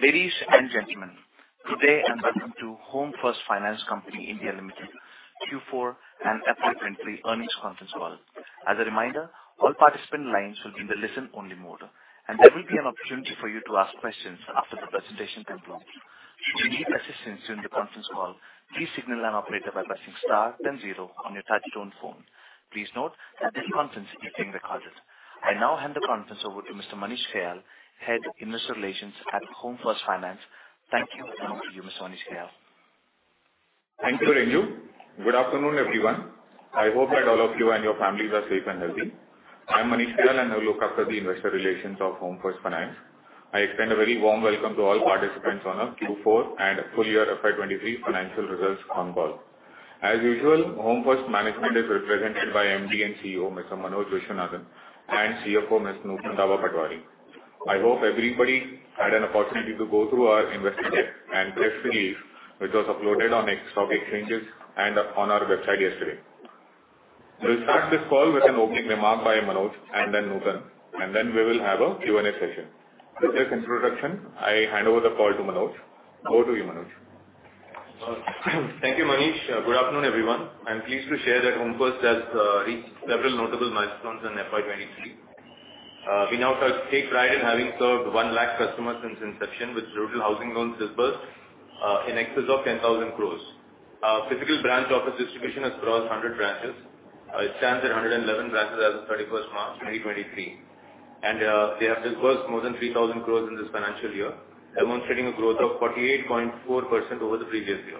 Ladies and gentlemen, good day and welcome to Home First Finance Company India Limited Q4 and FY 2023 earnings conference call. As a reminder, all participant lines will be in the listen-only mode, and there will be an opportunity for you to ask questions after the presentation concludes. If you need assistance during the conference call, please signal an operator by pressing star then zero on your touchtone phone. Please note that this conference is being recorded. I now hand the conference over to Mr. Manish Kayal, Head, Investor Relations at Home First Finance. Thank you. Now to you, Mr. Manish Kayal. Thank you, Renu. Good afternoon, everyone. I hope that all of you and your families are safe and healthy. I'm Manish Kayal, and I look after the investor relations of Home First Finance. I extend a very warm welcome to all participants on our Q4 and full year FY 2023 financial results con call. As usual, Home First management is represented by MD and CEO, Mr. Manoj Viswanathan and CFO, Ms. Nutan Gaba Patwari. I hope everybody had an opportunity to go through our investor deck and press release, which was uploaded on stock exchanges and on our website yesterday. We'll start this call with an opening remark by Manoj and then Nutan, and then we will have a Q&A session. With this introduction, I hand over the call to Manoj. Over to you, Manoj. Thank you, Manish. Good afternoon, everyone. I'm pleased to share that Home First has reached several notable milestones in FY 2023. We now take pride in having served 1 lakh customers since inception with total housing loans disbursed in excess of 10,000 crores. Our physical branch office distribution has crossed 100 branches. It stands at 111 branches as of 31st March 2023. We have disbursed more than 3,000 crores in this financial year, demonstrating a growth of 48.4% over the previous year.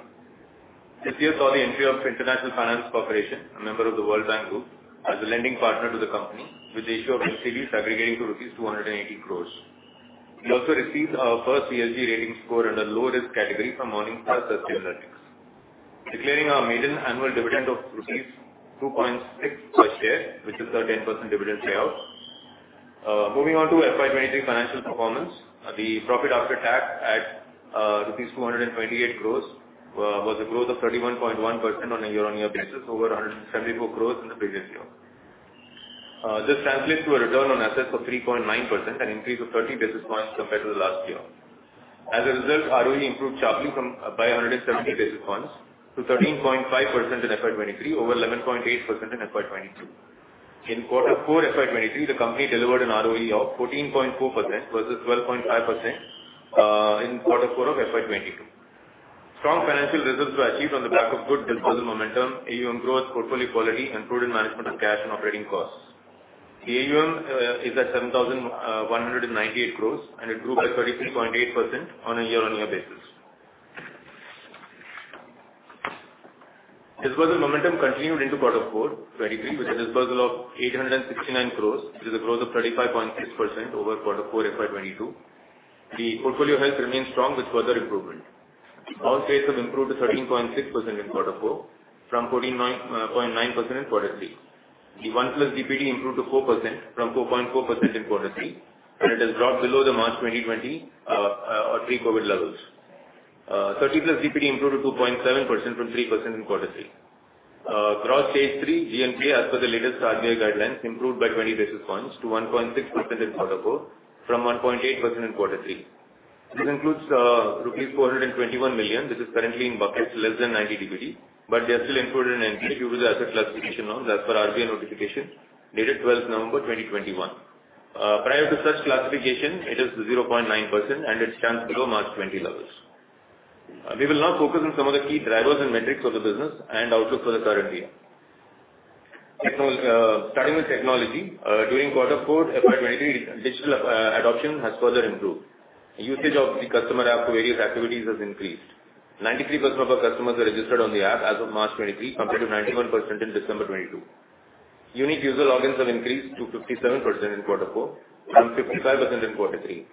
This year saw the entry of International Finance Corporation, a member of the World Bank Group, as a lending partner to the company with the issue of NCDs aggregating to rupees 280 crores. We also received our first ESG rating score in the low risk category from Morningstar Sustainalytics. Declaring our maiden annual dividend of rupees 2.6 per share, which is a 10% dividend payout. Moving on to FY2023 financial performance. The profit after tax at rupees 228 crores was a growth of 31.1% on a year-on-year basis over 174 crores in the previous year. This translates to a return on assets of 3.9%, an increase of 30 basis points compared to the last year. As a result, ROE improved sharply from, by 170 basis points to 13.5% in FY 2023 over 11.8% in FY 2022. In Q4 FY 2023, the company delivered an ROE of 14.4% versus 12.5% in Q4 of FY 2022. Strong financial results were achieved on the back of good disbursement momentum, AUM growth, portfolio quality, improved management of cash and operating costs. AUM is at 7,198 crores. It grew by 33.8% on a year-on-year basis. Disbursement momentum continued into Q4 2023, with a disbursement of 869 crores, which is a growth of 35.6% over Q4 FY2022. The portfolio health remains strong with further improvement. All rates have improved to 13.6% in Q4 from 14.9% in Q3. The 1+ DPD improved to 4% from 2.4% in quarter three. It has dropped below the March 2020 or pre-COVID levels. 30-plus DPD improved to 2.7% from 3% in quarter three. Gross stage three GN3, as per the latest RBI guidelines, improved by 20 basis points to 1.6% in quarter four from 1.8% in quarter three. This includes rupees 421 million, which is currently in buckets less than 90 DPD, but they are still included in NPAs due to the asset classification norm as per RBI notification dated 12 November, 2021. Prior to such classification, it is 0.9% and it stands below March 20 levels. We will now focus on some of the key drivers and metrics of the business and outlook for the current year. Starting with technology, during quarter four FY 2023, digital adoption has further improved. Usage of the customer app for various activities has increased. 93% of our customers are registered on the app as of March 2023, compared to 91% in December 2022. Unique user logins have increased to 57% in quarter four from 55% in quarter three.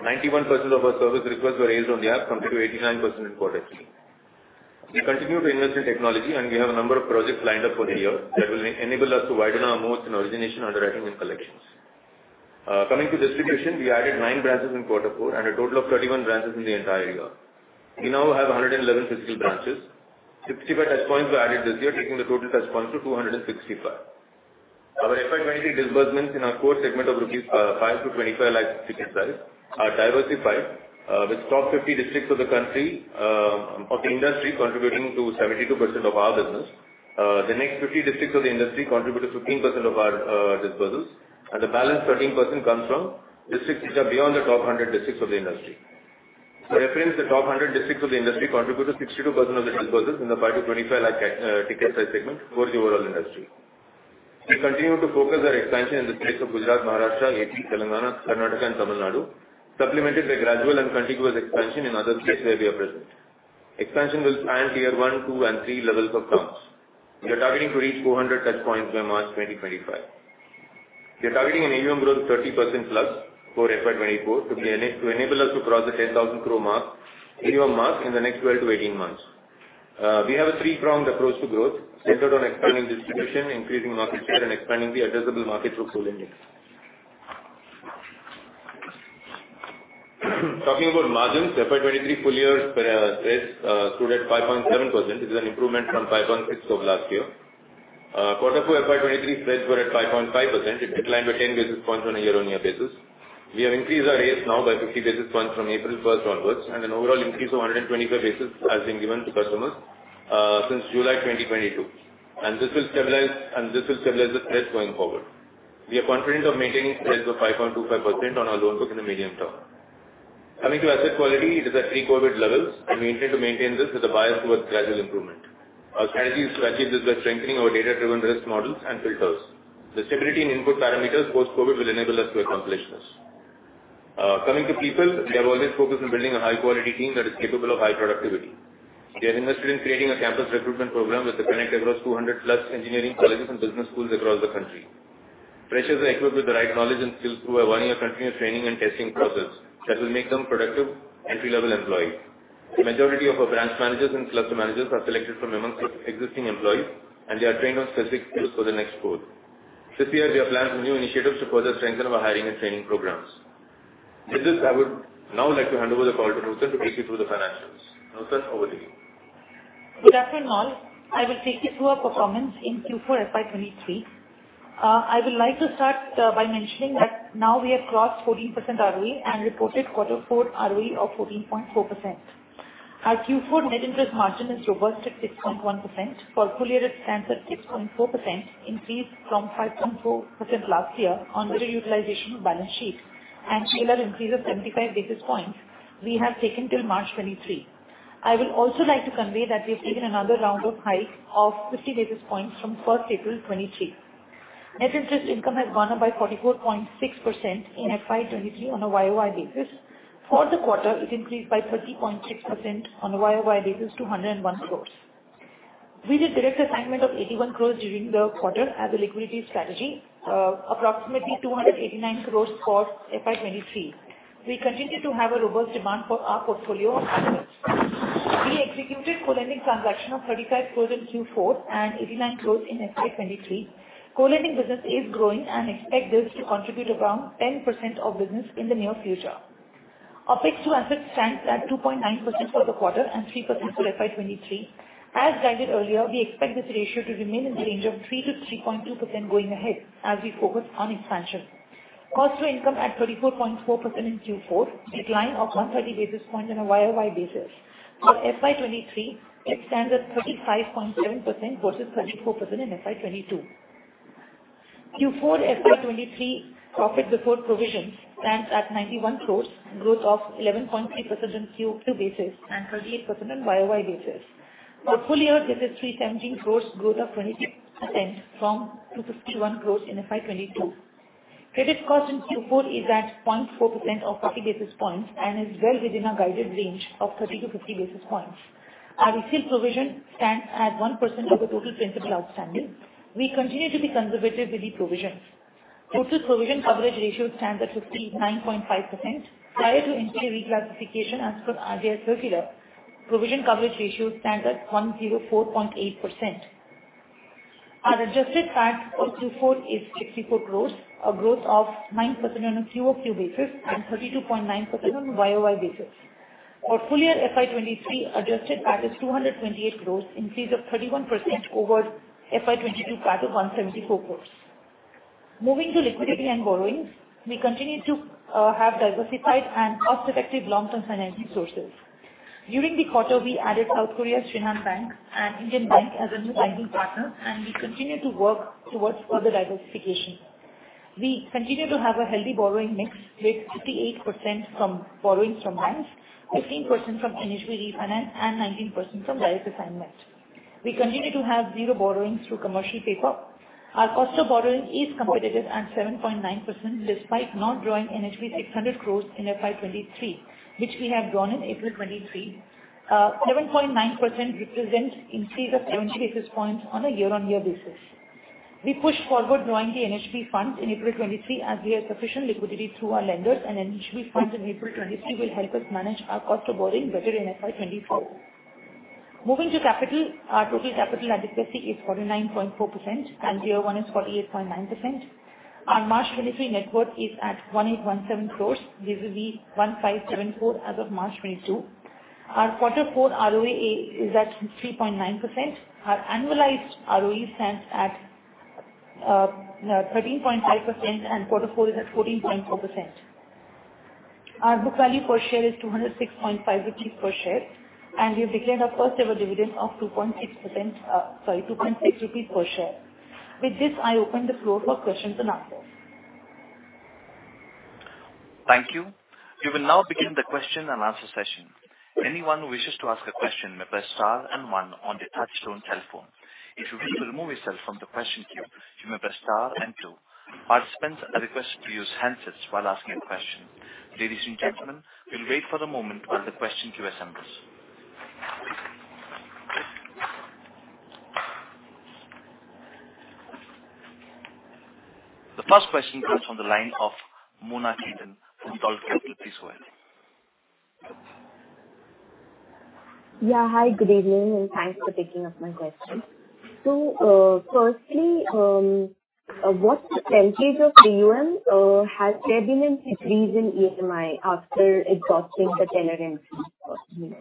91% of our service requests were raised on the app compared to 89% in quarter three. We continue to invest in technology, we have a number of projects lined up for the year that will enable us to widen our moats in origination, underwriting, and collections. Coming to distribution, we added nine branches in quarter four and a total of 31 branches in the entire year. We now have 111 physical branches. 65 touchpoints were added this year, taking the total touchpoints to 265. Our FY23 disbursements in our core segment of 5 lakh-25 lakh rupees ticket size are diversified with top 50 districts of the country of the industry contributing to 72% of our business. The next 50 districts of the industry contribute to 15% of our disbursements, and the balance 13% comes from districts which are beyond the top 100 districts of the industry. For reference, the top 100 districts of the industry contribute to 62% of the disbursements in the 5 lakh-25 lakh ticket size segment for the overall industry. We continue to focus our expansion in the states of Gujarat, Maharashtra, A.P., Telangana, Karnataka, and Tamil Nadu, supplemented by gradual and contiguous expansion in other states where we are present. Expansion will span tier one, two, and three levels of towns. We are targeting to reach 400 touchpoints by March 2025. We are targeting an AUM growth 30%+ for FY 2024 to enable us to cross the 10,000 crore mark, AUM mark in the next 12 to 18 months. We have a three-pronged approach to growth centered on expanding distribution, increasing market share, and expanding the addressable market through Fintech. Talking about margins, FY 2023 full year spread stood at 5.7%. This is an improvement from 5.6 of last year. Q4 FY 2023 spreads were at 5.5%. It declined by 10 basis points on a year-on-year basis. We have increased our rates now by 50 basis points from April 1st onwards, and an overall increase of 125 basis has been given to customers since July 2022. This will stabilize the spreads going forward. We are confident of maintaining spreads of 5.25% on our loan book in the medium term. Coming to asset quality, it is at pre-COVID levels. We maintain to maintain this with a bias towards gradual improvement. Our strategy is to achieve this by strengthening our data-driven risk models and filters. The stability in input parameters post-COVID will enable us to accomplish this. Coming to people, we are always focused on building a high quality team that is capable of high productivity. We have invested in creating a campus recruitment program with a connect across 200+ engineering colleges and business schools across the country. Freshers are equipped with the right knowledge and skills through a one-year continuous training and testing process that will make them productive entry-level employees. The majority of our branch managers and cluster managers are selected from amongst existing employees. They are trained on specific skills for the next role. This year we have planned some new initiatives to further strengthen our hiring and training programs. With this, I would now like to hand over the call to Nutan to take you through the financials. Nutan, over to you. Good afternoon all. I will take you through our performance in Q4 FY 2023. I would like to start by mentioning that now we have crossed 14% ROE and reported Q4 ROE of 14.4%. Our Q4 net interest margin is robust at 6.1%. For full year, it stands at 6.4%, increased from 5.4% last year on better utilization of balance sheet and PLR increase of 75 basis points we have taken till March 2023. I will also like to convey that we have taken another round of hike of 50 basis points from 1st April 2023. Net interest income has gone up by 44.6% in FY 2023 on a year-over-year basis. For the quarter, it increased by 30.6% on a year-over-year basis to 101 crores. We did direct assignment of 81 crores during the quarter as a liquidity strategy. Approximately 289 crores for FY 2023. We continue to have a robust demand for our portfolio. We executed co-lending transaction of 35 crores in Q4 and 89 crores in FY 2023. Co-lending business is growing and expect this to contribute around 10% of business in the near future. OpEx to assets stands at 2.9% for the quarter and 3% for FY 2023. As guided earlier, we expect this ratio to remain in the range of 3%-3.2% going ahead as we focus on expansion. Cost to income at 34.4% in Q4, decline of 130 basis points on a YOY basis. For FY 2023, it stands at 35.7% versus 34% in FY 2022. Q4 FY 2023 profit before provisions stands at 91 crores, growth of 11.3% on QoQ basis and 38% on YoY basis. For full year, this is 317 crores, growth of 26% from 251 crores in FY22. Credit cost in Q4 is at 0.4% or 40 basis points and is well within our guided range of 30-50 basis points. Our retail provision stands at 1% of the total principal outstanding. We continue to be conservative with the provisions. Total provision coverage ratio stands at 59.5%. Prior to NPA reclassification as per RBI circular, provision coverage ratio stands at 104.8%. Our adjusted PAT for Q4 is 64 crores, a growth of 9% on a QoQ basis and 32.9% on a YoY basis. For full year FY 2023, adjusted PAT is 228 crores, increase of 31% over FY 2022 PAT of 174 crores. Moving to liquidity and borrowings, we continue to have diversified and cost-effective long-term financing sources. During the quarter, we added South Korea's Shinhan Bank and Indian Bank as a new lending partner, and we continue to work towards further diversification. We continue to have a healthy borrowing mix with 58% from borrowings from banks, 15% from NHB refinance, and 19% from direct assignments. We continue to have zero borrowings through commercial paper. Our cost of borrowing is competitive at 7.9%, despite not drawing NHB's 800 crores in FY 2023, which we have drawn in April 2023. 7.9% represents increase of 70 basis points on a year-on-year basis. We pushed forward drawing the NHB funds in April 2023 as we have sufficient liquidity through our lenders. NHB funds in April 2023 will help us manage our cost of borrowing better in FY 2024. Moving to capital, our total capital adequacy is 49.4%. Tier one is 48.9%. Our March 2023 net worth is at 1,817 crores versus 1,574 as of March 2022. Our quarter four ROE is at 3.9%. Our annualized ROE stands at 13.5%. Quarter four is at 14.4%. Our book value per share is 206.5 rupees per share. We have declared our first ever dividend of 2.6%, sorry, 2.6 rupees per share. With this, I open the floor for questions and answers. Thank you. We will now begin the question and answer session. Anyone who wishes to ask a question may press star and 1 on their touch-tone telephone. If you wish to remove yourself from the question queue, you may press star and 2. Participants are requested to use handsets while asking a question. Ladies and gentlemen, we'll wait for a moment while the question queue assembles. The first question comes from the line of Mona Khetan from please go ahead. Hi, good evening, and thanks for taking up my question. Firstly, what % of AUM has there been an increase in EMI after exhausting the tenure increase?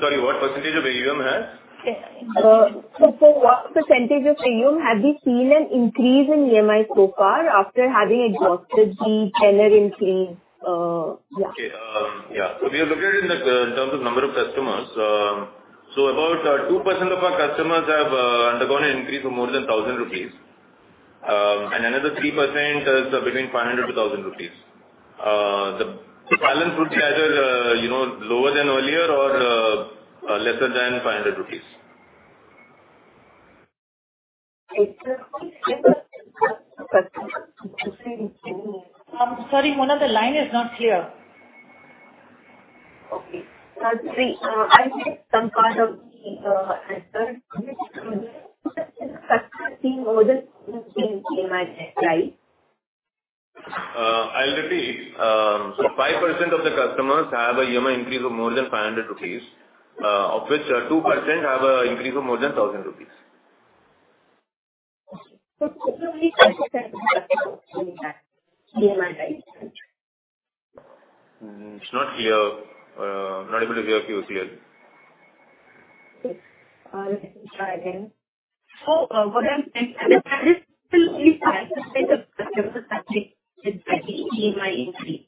sorry, what % of AUM has? For what percentage of AUM have you seen an increase in EMI so far after having exhausted the tenure increase, yeah? Okay. Yeah. We have looked at it in terms of number of customers. About 2% of our customers have undergone an increase of more than 1,000 rupees. Another 3% is between 500-1,000 rupees. The balance would rather, you know, lower than earlier or lesser than INR 500. Sorry, Mona. The line is not clear. Okay. see, I get some kind of the answer. I'll repeat. 5% of the customers have a EMI increase of more than 500 rupees, of which, 2% have an increase of more than 1,000 rupees. Okay. roughly 5% EMI, right? It's not clear. Not able to hear you clearly. Okay. I'll try again. What I'm saying still only 5% of customers are seeing this EMI increase.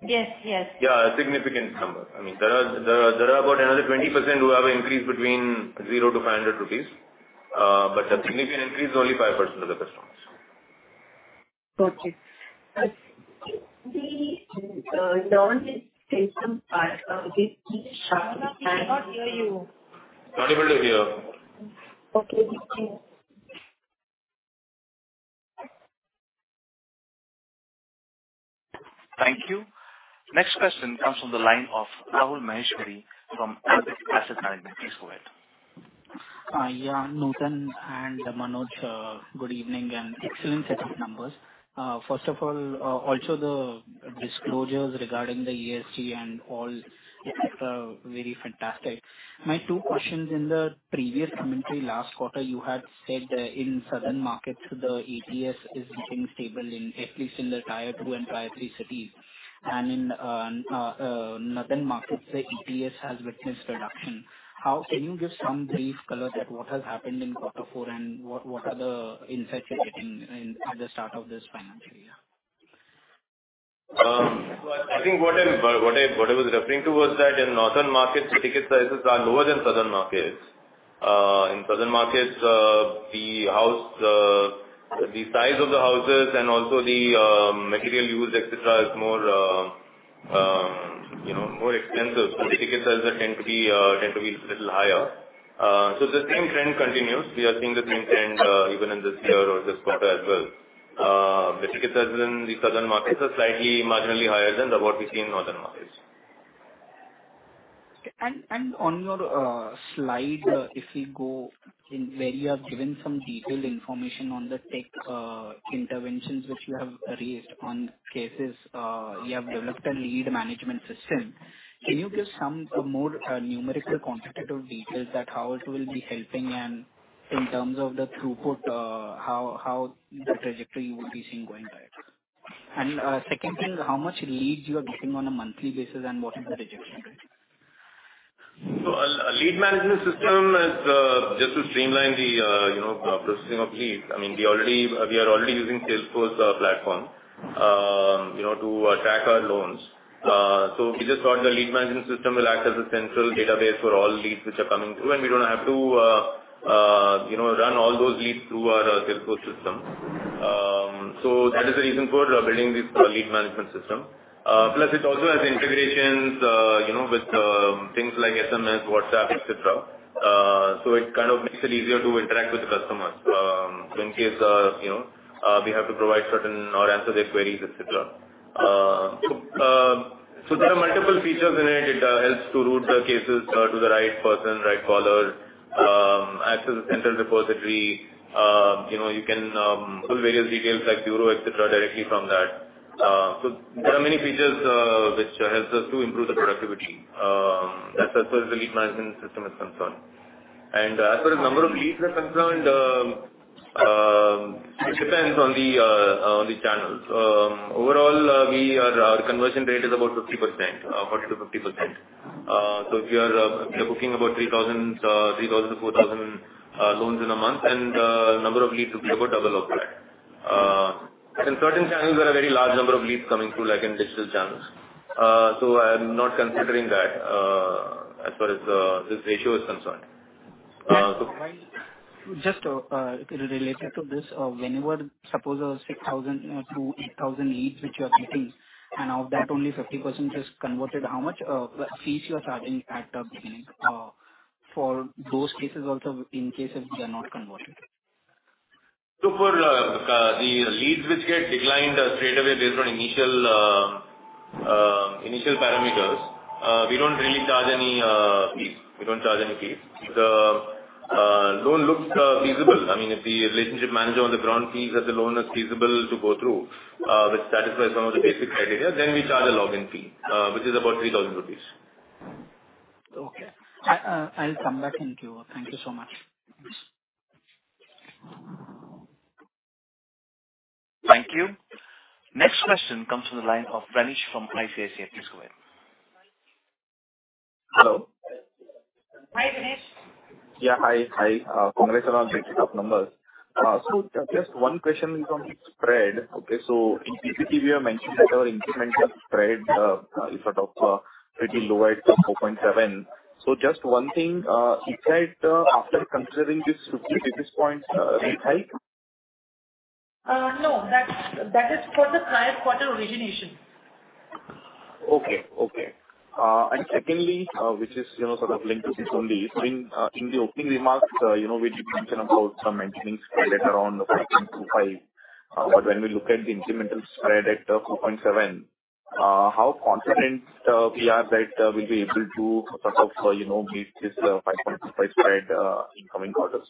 Yes, yes. Yeah, a significant number. I mean, there are about another 20% who have an increase between 0- 500 rupees. A significant increase is only 5% of the customers. Okay. The loan Mona, we cannot hear you. Not able to hear. Okay. Thank you. Next question comes from the line of Rahul Maheshwari from Ambit Asset Management. Yeah, Nutan and Manoj, good evening and excellent set of numbers. First of all, also the disclosures regarding the ESG and all, very fantastic. My two questions in the previous commentary last quarter you had said that in southern markets the ATS is looking stable in at least in the tier two and tier three cities. In northern markets, the ATS has witnessed reduction. Can you give some brief color that what has happened in quarter four and what are the insights you're getting in at the start of this financial year? Well, I think what I was referring to was that in northern markets the ticket sizes are lower than southern markets. In southern markets, the house, the size of the houses and also the material used, et cetera, is more, you know, more expensive. The ticket sizes tend to be a little higher. The same trend continues. We are seeing the same trend, even in this year or this quarter as well. The ticket sizes in the southern markets are slightly marginally higher than what we see in northern markets. On your slide, if we go in where you have given some detailed information on the tech interventions which you have raised on cases, you have developed a lead management system. Can you give some more numerical quantitative details that how it will be helping and in terms of the throughput, how the trajectory you would be seeing going by it? Second thing, how much leads you are getting on a monthly basis and what is the rejection rate? A lead management system is just to streamline the, you know, processing of leads. I mean, we are already using Salesforce platform, you know, to track our loans. We just thought the lead management system will act as a central database for all leads which are coming through, and we don't have to, you know, run all those leads through our Salesforce system. That is the reason for building this lead management system. Plus it also has integrations, you know, with things like SMS, WhatsApp, et cetera. It kind of makes it easier to interact with the customers, in case, you know, we have to provide certain or answer their queries, et cetera. There are multiple features in it. It helps to route the cases to the right person, right callers, acts as a central repository. You know, you can pull various details like bureau, et cetera, directly from that. There are many features which helps us to improve the productivity as far as the lead management system is concerned. As far as number of leads are concerned, it depends on the channels. Overall, our conversion rate is about 50%, 40%-50%. If you're booking about 3,000-4,000 loans in a month and the number of leads will be about double of that. In certain channels there are very large number of leads coming through, like in digital channels. I'm not considering that, as far as this ratio is concerned. Just related to this, when you are suppose those 6,000 or to 8,000 leads which you are getting, and of that only 50% is converted, how much fees you are charging at the beginning, for those cases also in cases they are not converted? For the leads which get declined straight away based on initial initial parameters, we don't really charge any fees. We don't charge any fees. If the loan looks feasible, I mean, if the relationship manager on the ground feels that the loan is feasible to go through, which satisfies some of the basic criteria, then we charge a login fee, which is about 3,000 rupees. Okay. I'll come back. Thank you. Thank you so much. Thank you. Next question comes from the line of Renish from ICICI. Please go ahead. Hello. Hi, Renish. Yeah. Hi. Hi. Congrats on the pick-up numbers. Just one question is on spread. Okay. In PPT we have mentioned that our incremental spread is sort of pretty low at 4.7%. Just one thing is that after considering this 50 basis points rate hike? No, that is for the prior quarter origination. Okay. Okay. Secondly, which is, you know, sort of linked to this only. In the opening remarks, you know, we did mention about some maintaining spread at around 5.25%. When we look at the incremental spread at 4.7%, how confident we are that we'll be able to sort of, you know, meet this 5.25% spread in coming quarters?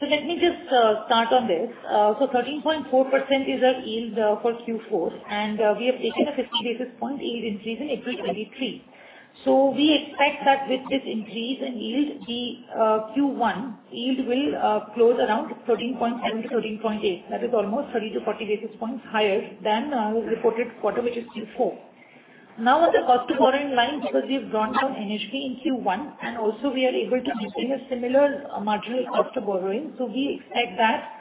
Let me just start on this. 13.4% is our yield for Q4, and we have taken a 50 basis point yield increase in April 2023. We expect that with this increase in yield the Q1 yield will close around 13.7-13.8. That is almost 30-40 basis points higher than we reported quarter, which is Q4. On the cost of borrowing line, because we have brought down NHB in Q1, and also we are able to maintain a similar marginal cost of borrowing. We expect that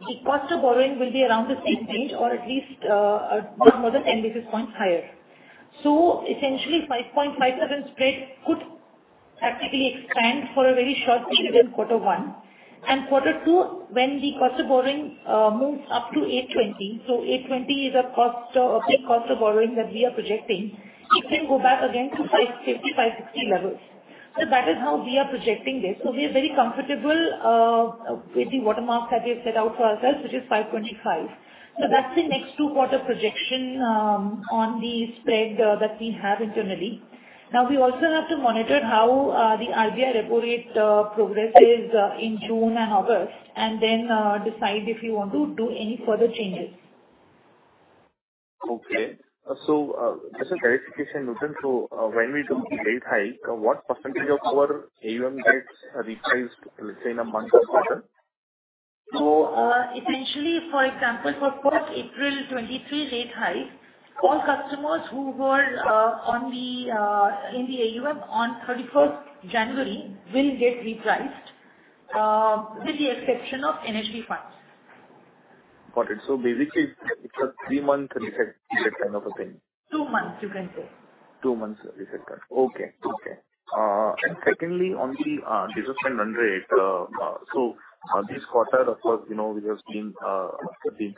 the cost of borrowing will be around the same range or at least not more than 10 basis points higher. Essentially 5.57% spread could practically expand for a very short period in Q1 and Q2 when the cost of borrowing moves up to 8.20%. 8.20% is a cost of borrowing that we are projecting. It can go back again to 55%-60% levels. That is how we are projecting this. We are very comfortable with the watermark that we have set out for ourselves, which is 5.25%. That's the next two-quarter projection on the spread that we have internally. Now we also have to monitor how the RBI repo rate progresses in June and August and then decide if we want to do any further changes. Just a clarification, Nutan. When we do the rate hike, what percentage of our AUM gets repriced, let's say, in a month or quarter? Essentially, for example, for April 1, 2023 rate hike, all customers who were in the AUM on January 31 will get repriced with the exception of NHB funds. Got it. Basically it's a three-month reset period kind of a thing. Two months you can say. Two months reset. Okay. Okay. Secondly, on the disbursement run rate. This quarter of course, you know, we have seen a good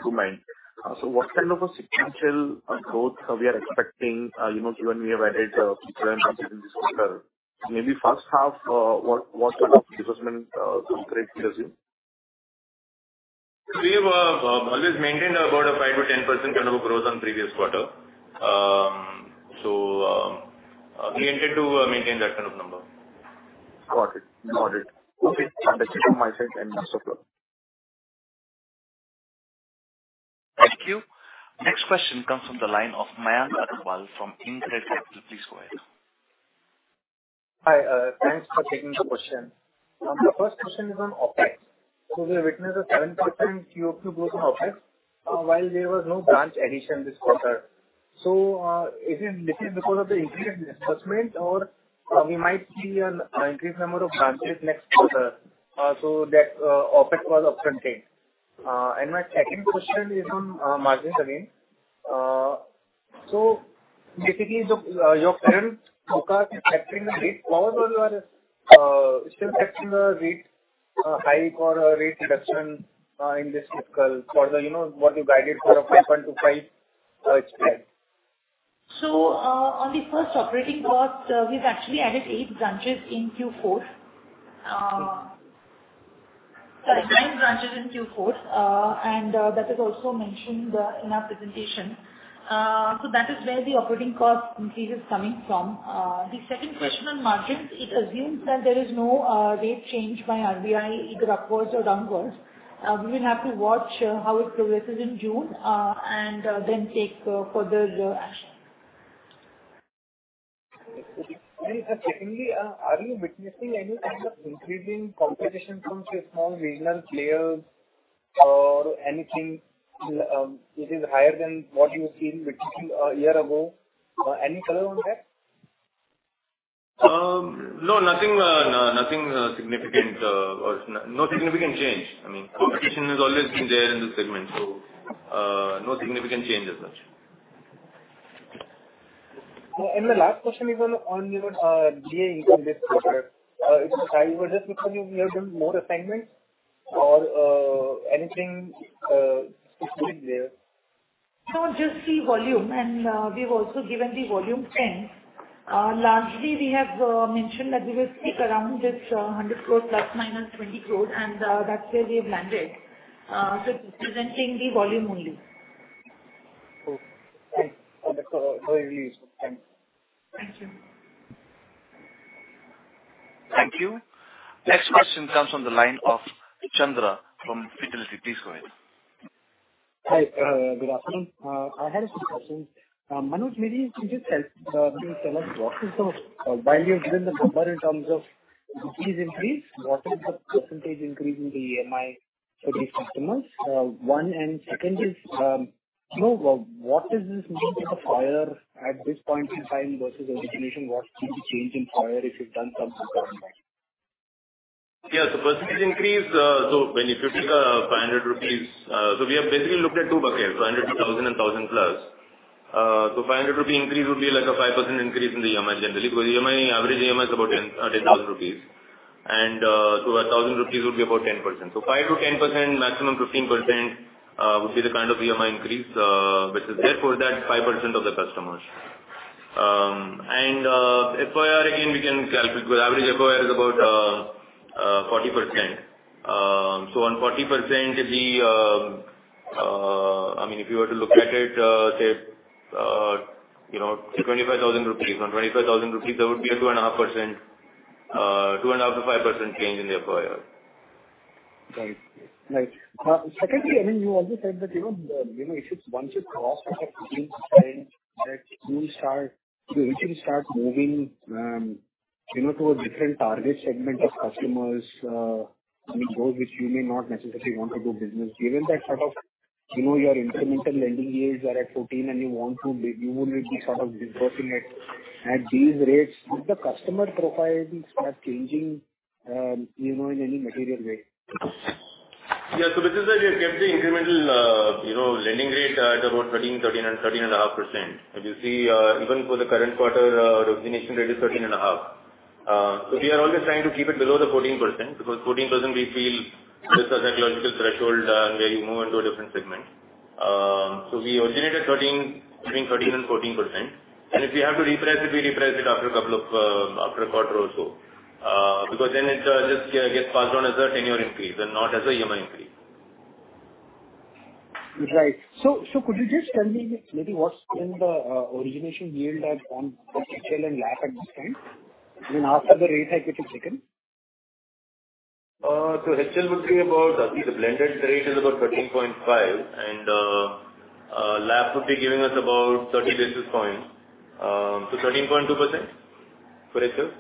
improvement. What kind of a sequential growth are we expecting, you know, given we have added people and capital this quarter? Maybe first half, what sort of disbursement run rate we assume? We have always maintained about a 5%-10% kind of a growth on previous quarter. We intend to maintain that kind of number. Got it. Okay. That's it from my side. Thanks a lot. Thank you. Next question comes from the line of Mayank Agarwal from InCred Capital. Please go ahead. Hi. Thanks for taking the question. The first question is on OpEx. We have witnessed a 7% QoQ growth in OpEx, while there was no branch addition this quarter. Is it mainly because of the increased disbursement or we might see an increased number of branches next quarter, so that OpEx was up front end? My second question is on margins again. Basically, your current forecast is factoring the rate pause or you are still factoring the rate hike or a rate reduction in this fiscal quarter, you know, what you guided for a 5.25% spread. On the first operating cost, we've actually added eight branches in Q4. Sorry, nine branches in Q4. That is also mentioned in our presentation. That is where the operating cost increase is coming from. The second question on margins, it assumes that there is no rate change by RBI either upwards or downwards. We will have to watch how it progresses in June, then take further action. Secondly, are you witnessing any kind of increasing competition from small regional players or anything, which is higher than what you've seen, let's say, a year ago? Any color on that? No, nothing, significant, or no significant change. I mean. Competition has always been there in this segment, so, no significant change as such. The last question is on your D&A income this quarter. I was just looking if you have done more assignments or anything is going there. No, just the volume. We've also given the volume trend. Lastly, we have mentioned that we will stick around this 100 crores ±20 crores, and that's where we have landed. Presenting the volume only. Cool. Thanks. That's very useful. Thanks. Thank you. Thank you. Next question comes from the line of Chandra from Fidelity. Please go ahead. Hi. good afternoon. I had a few questions. Manoj, maybe can you help, maybe tell us roughly sort of why you've given the number. What is the percentage increase in the EMI for these customers? One. Second is, you know, what does this mean for the FYR at this point in time versus origination? What's the change in FYR if you've done some Percentage increase, when you pick up 500 rupees, we have basically looked at two buckets, 500-1,000 rupee and 1,000+. 500 rupee increase would be like a 5% increase in the EMI generally, because EMI, average EMI is about 10,000 rupees. 1,000 rupees would be about 10%. 5%-10%, maximum 15%, would be the kind of EMI increase, which is therefore that 5% of the customers. FYR again, we can calculate because average FYR is about 40%. On 40%, the, I mean, if you were to look at it, say, you know, say 25,000 rupees. On 25,000 rupees, that would be a 2.5%, 2.5%-5% change in the FYR. Right. Right. Secondly, I mean, you also said that, you know, you know, if it's, once you cross 14%, that you start, you actually start moving, you know, to a different target segment of customers, I mean, those which you may not necessarily want to do business. Given that sort of, you know, your incremental lending yields are at 14% and you want to be, you will be sort of dispersing at these rates. Would the customer profile be start changing, you know, in any material way? This is why we have kept the incremental, you know, lending rate at about 13.5%. If you see, even for the current quarter, origination rate is 13.5%. We are always trying to keep it below the 14% because 14% we feel just a psychological threshold where you move into a different segment. We originate between 13% and 14%. If we have to reprice it, we reprice it after a quarter or so. Because then it just get passed on as a tenure increase and not as a EMI increase. Right. Could you just tell me maybe what's been the origination yield at, on HL and LAP at this time? I mean, after the rate hike, if you check it. HL would be about, I think the blended rate is about 13.5 and LAP would be giving us about 30 basis points. 13.2% for HL.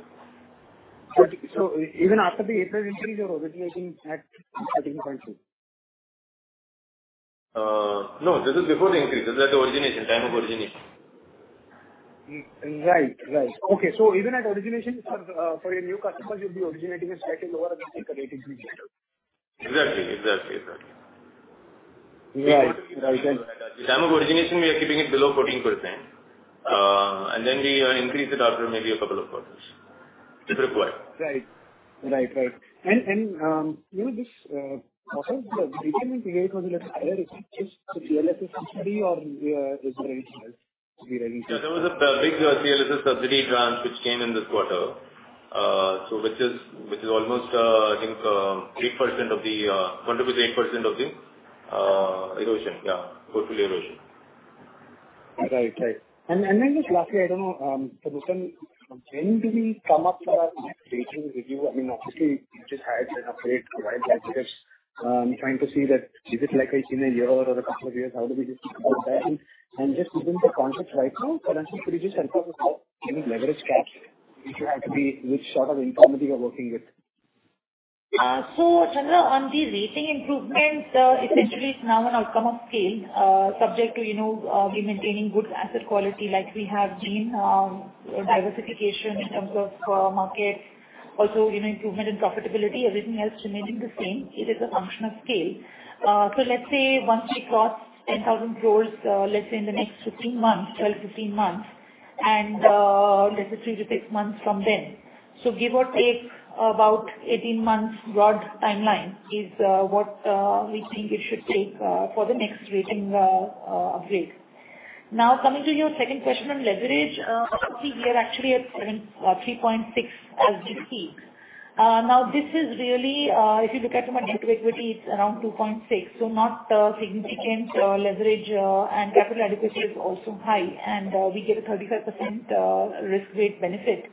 Even after the April increase, you're originating at 13.2%? No. This is before the increase. This is at the origination, time of origination. Right. Right. Okay. Even at origination for your new customers, you'll be originating a slightly lower rate increase. Exactly. Right. Right. At the time of origination, we are keeping it below 14%. Then we increase it after maybe a couple of quarters, if required. Right. Right. Right. you know, this quarter the beginning create was a little higher. Is it just the CLSS subsidy or is there anything else to be released? Yeah. There was a big CLSS subsidy grant which came in this quarter. Which is almost, I think, contributed 8% of the erosion. Yeah. Portfolio erosion. Right. Right. Then just lastly, I don't know, Nutan, when do we come up for our next rating review? I mean, obviously you just had an upgrade to wide latitude. Trying to see that is it like a year or a couple of years? How do we just keep up with that? Just given the context right now, Nutan, could you just help us with how can we leverage cash if you had to be, which sort of income that you're working with? Chandra, on the rating improvement, essentially it's now an outcome of scale, subject to, you know, we maintaining good asset quality like we have been, diversification in terms of market. You know, improvement in profitability. Everything else remaining the same. It is a function of scale. Let's say once we cross 10,000 crore, let's say in the next 15 months, 12-15 months and, let's say three to six months from then. Give or take about 18 months broad timeline is what we think it should take for the next rating upgrade. Coming to your second question on leverage. We are actually at current 3.6% as we speak. Now this is really, if you look at from a net to equity, it's aroun%d 2.6. Not a significant leverage, and capital adequacy is also high, and we get a 35% risk weight benefit.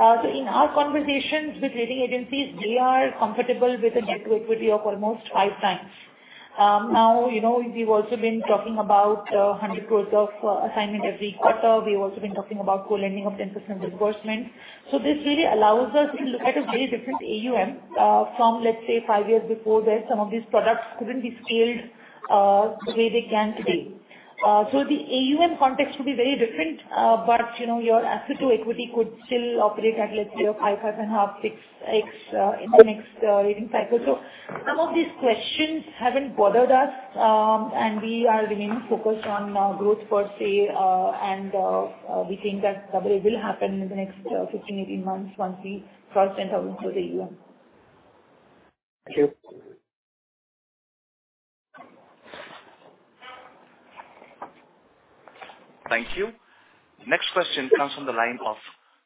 In our conversations with rating agencies, they are comfortable with a net to equity of almost 5 times. Now, you know, we've also been talking about 100 crore of assignment every quarter. We've also been talking about co-lending of 10% disbursement. This really allows us to look at a very different AUM, from let's say five years before where some of these products couldn't be scaled the way they can today. The AUM context will be very different. You know, your asset to equity could still operate at let's say of 5.5x, 6x in the next rating cycle. Some of these questions haven't bothered us, and we are remaining focused on growth per se. We think that coverage will happen in the next 15, 18 months once we cross INR 10,000 crores AUM. Thank you. Thank you. Next question comes from the line of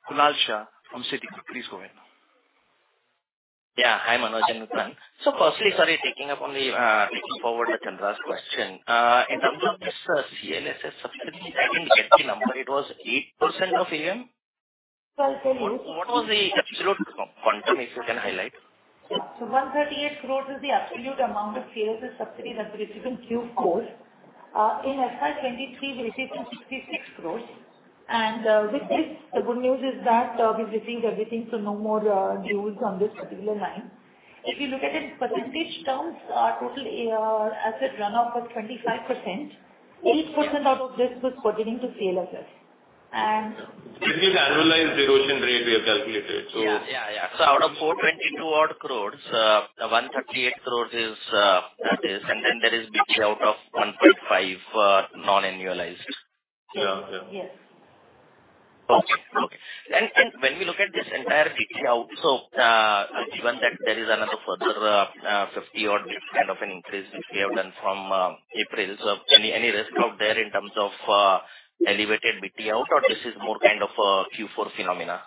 Kunal Shah from Citigroup. Please go ahead. Yeah. Hi, Manoj and Nutan. Firstly, sorry, taking up on the, taking forward with Chandra's question. In terms of this, CLSS subsidy, I didn't get the number. It was 8% of AUM?. Can you highlight? 138 crores is the absolute amount of CLSS subsidy that we received in Q4. In FY 2023, we received 66 crores. With this, the good news is that we've received everything, so no more dues on this particular line. If you look at it in percentage terms, our total asset run off was 25%. 8% out of this was pertaining to CLSS. This is annualized erosion rate we have calculated. Yeah. Out of 422 odd crores, 138 crores is. There is BT out of 1.5 non-annualized. Yeah. Yeah. Yes. Okay. When we look at this entire BT out, given that there is another further, 50 odd kind of an increase which we have done from April. Any risk out there in terms of elevated BT out, or this is more kind of a Q4 phenomena?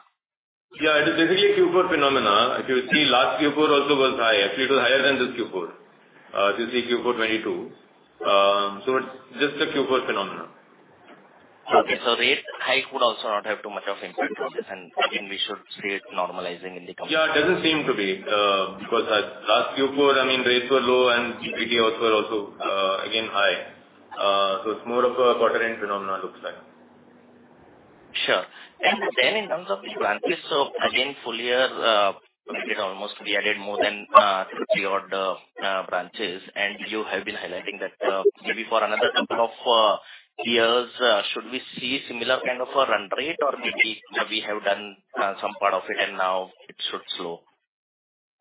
Yeah, it is basically a Q4 phenomena. If you see last Q4 also was high. Actually it was higher than this Q4. This is Q4 2022. It's just a Q4 phenomena. Okay. Rate hike would also not have too much of impact to this. Again, we should see it normalizing in the coming- Yeah, it doesn't seem to be, because at last Q4, I mean, rates were low and EPT outs were also, again high. It's more of a quarter end phenomena looks like. Sure. In terms of the branches, again, full year, you did almost we added more than 50 odd branches. You have been highlighting that, maybe for another couple of years, should we see similar kind of a run rate or maybe we have done some part of it and now it should slow?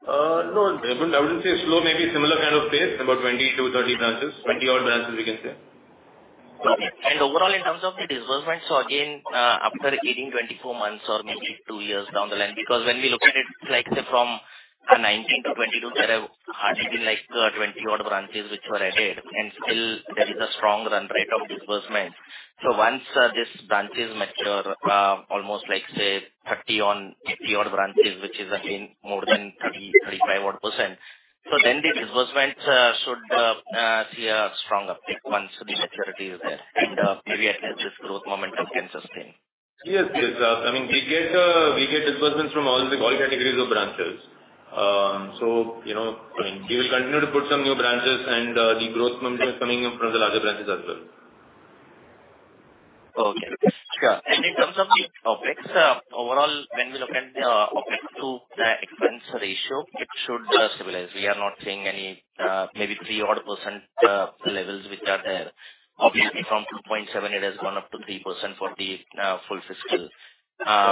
No, I wouldn't say slow. Maybe similar kind of pace, about 20-30 branches. 20 odd branches we can say. Okay. Overall in terms of the disbursements, again, after 18, 24 months or maybe two years down the line, because when we look at it, say from 2019 to 2022, there have hardly been 20 odd branches which were added and still there is a strong run rate of disbursement. Once these branches mature, almost say, 30 on 80 odd branches, which is again more than 30%-35% odd, then the disbursements should see a strong uptick once the maturity is there and maybe at least this growth momentum can sustain. Yes, yes. I mean, we get disbursements from all categories of branches. You know, I mean, we will continue to put some new branches and the growth momentum is coming in from the larger branches as well. Okay. Yeah. In terms of the OpEx, overall, when we look at the OpEx to expense ratio, it should stabilize. We are not seeing any maybe 3% odd levels which are there. Obviously, from 2.7% it has gone up to 3% for the full fiscal,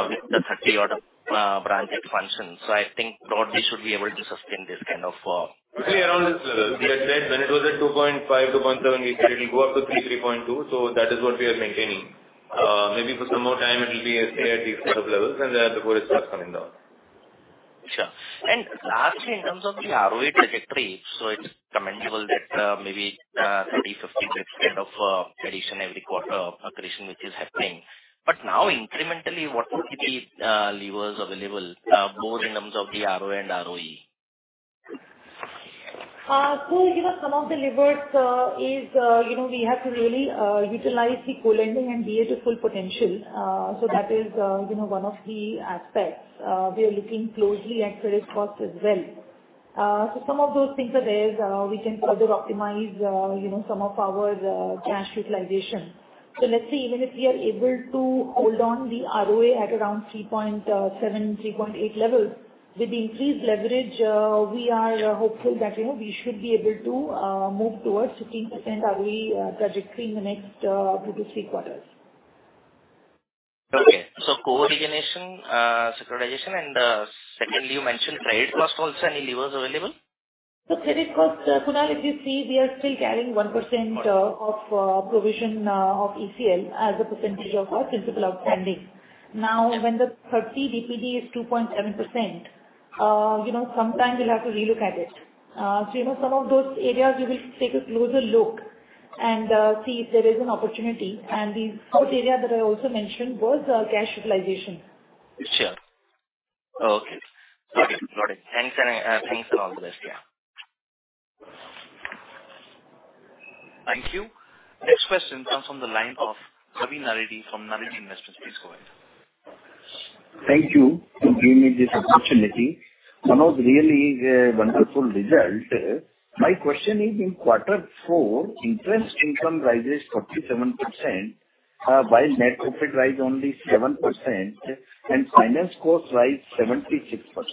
with the 30 odd branches expansion. I think broadly should be able to sustain this kind of. Around this level. We had said when it was at 2.5%, 2.7%, we said it'll go up to 3.2%. That is what we are maintaining. Maybe for some more time it'll stay at these sort of levels, and then the growth starts coming down. Sure. Lastly, in terms of the ROA trajectory, it's commendable that, maybe, 30, 50 bps kind of addition every quarter accretion which is happening. Now incrementally, what could be levers available, both in terms of the ROA and ROE? Uh, so, you know, some of the levers, uh, is, uh, you know, we have to really, uh, utilize the co-lending and DA to full potential. Uh, so that is, uh, you know, one of the aspects. Uh, we are looking closely at credit costs as well. Uh, so some of those things are there. Uh, we can further optimize, uh, you know, some of our, uh, cash utilization. So let's say even if we are able to hold on the ROA at around 3.7%, 3.8% levels, with the increased leverage, uh, we are hopeful that, you know, we should be able to, uh, move towards 15% ROE, uh, trajectory in the next, uh, two to three quarters. Okay. co-origination, securitization, and secondly, you mentioned credit cost also, any levers available? Credit cost, so now if you see, we are still carrying 1% of provision of ECL as a percentage of our principal outstanding. When the 30 DPD is 2.7%, you know sometime we'll have to relook at it. You know, some of those areas we will take a closer look and see if there is an opportunity. The fourth area that I also mentioned was cash utilization. Sure. Okay. Got it. Got it. Thanks and all the best. Yeah. Thank you. Next question comes from the line of Ravi Naredi from Naredi Investments. Please go ahead. Thank you for giving me this opportunity. Manoj, really a wonderful result. My question is in quarter four, interest income rises 47%, while net profit rise only 7%. Finance cost rise 76%.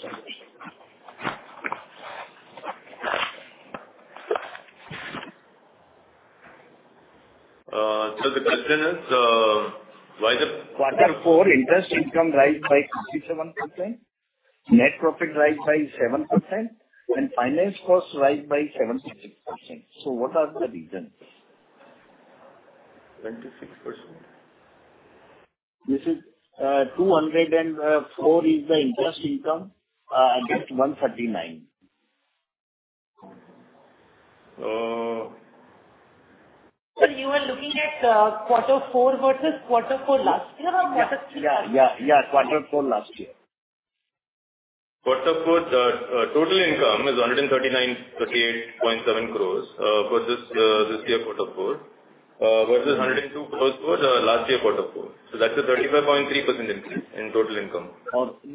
The question is, why. Quarter four interest income rise by 47%, net profit rise by 7% and finance cost rise by 76%. What are the reasons? 76%. This is, 204 is the interest income, against 139. Uh- Sir, you are looking at, quarter four versus quarter four last year or quarter three? Yeah. Yeah. Yeah. Quarter four last year. Quarter four, the total income is 139 38.7 crores for this this year quarter four versus 102 crores for the last year quarter four. That's a 35.3% increase in total income.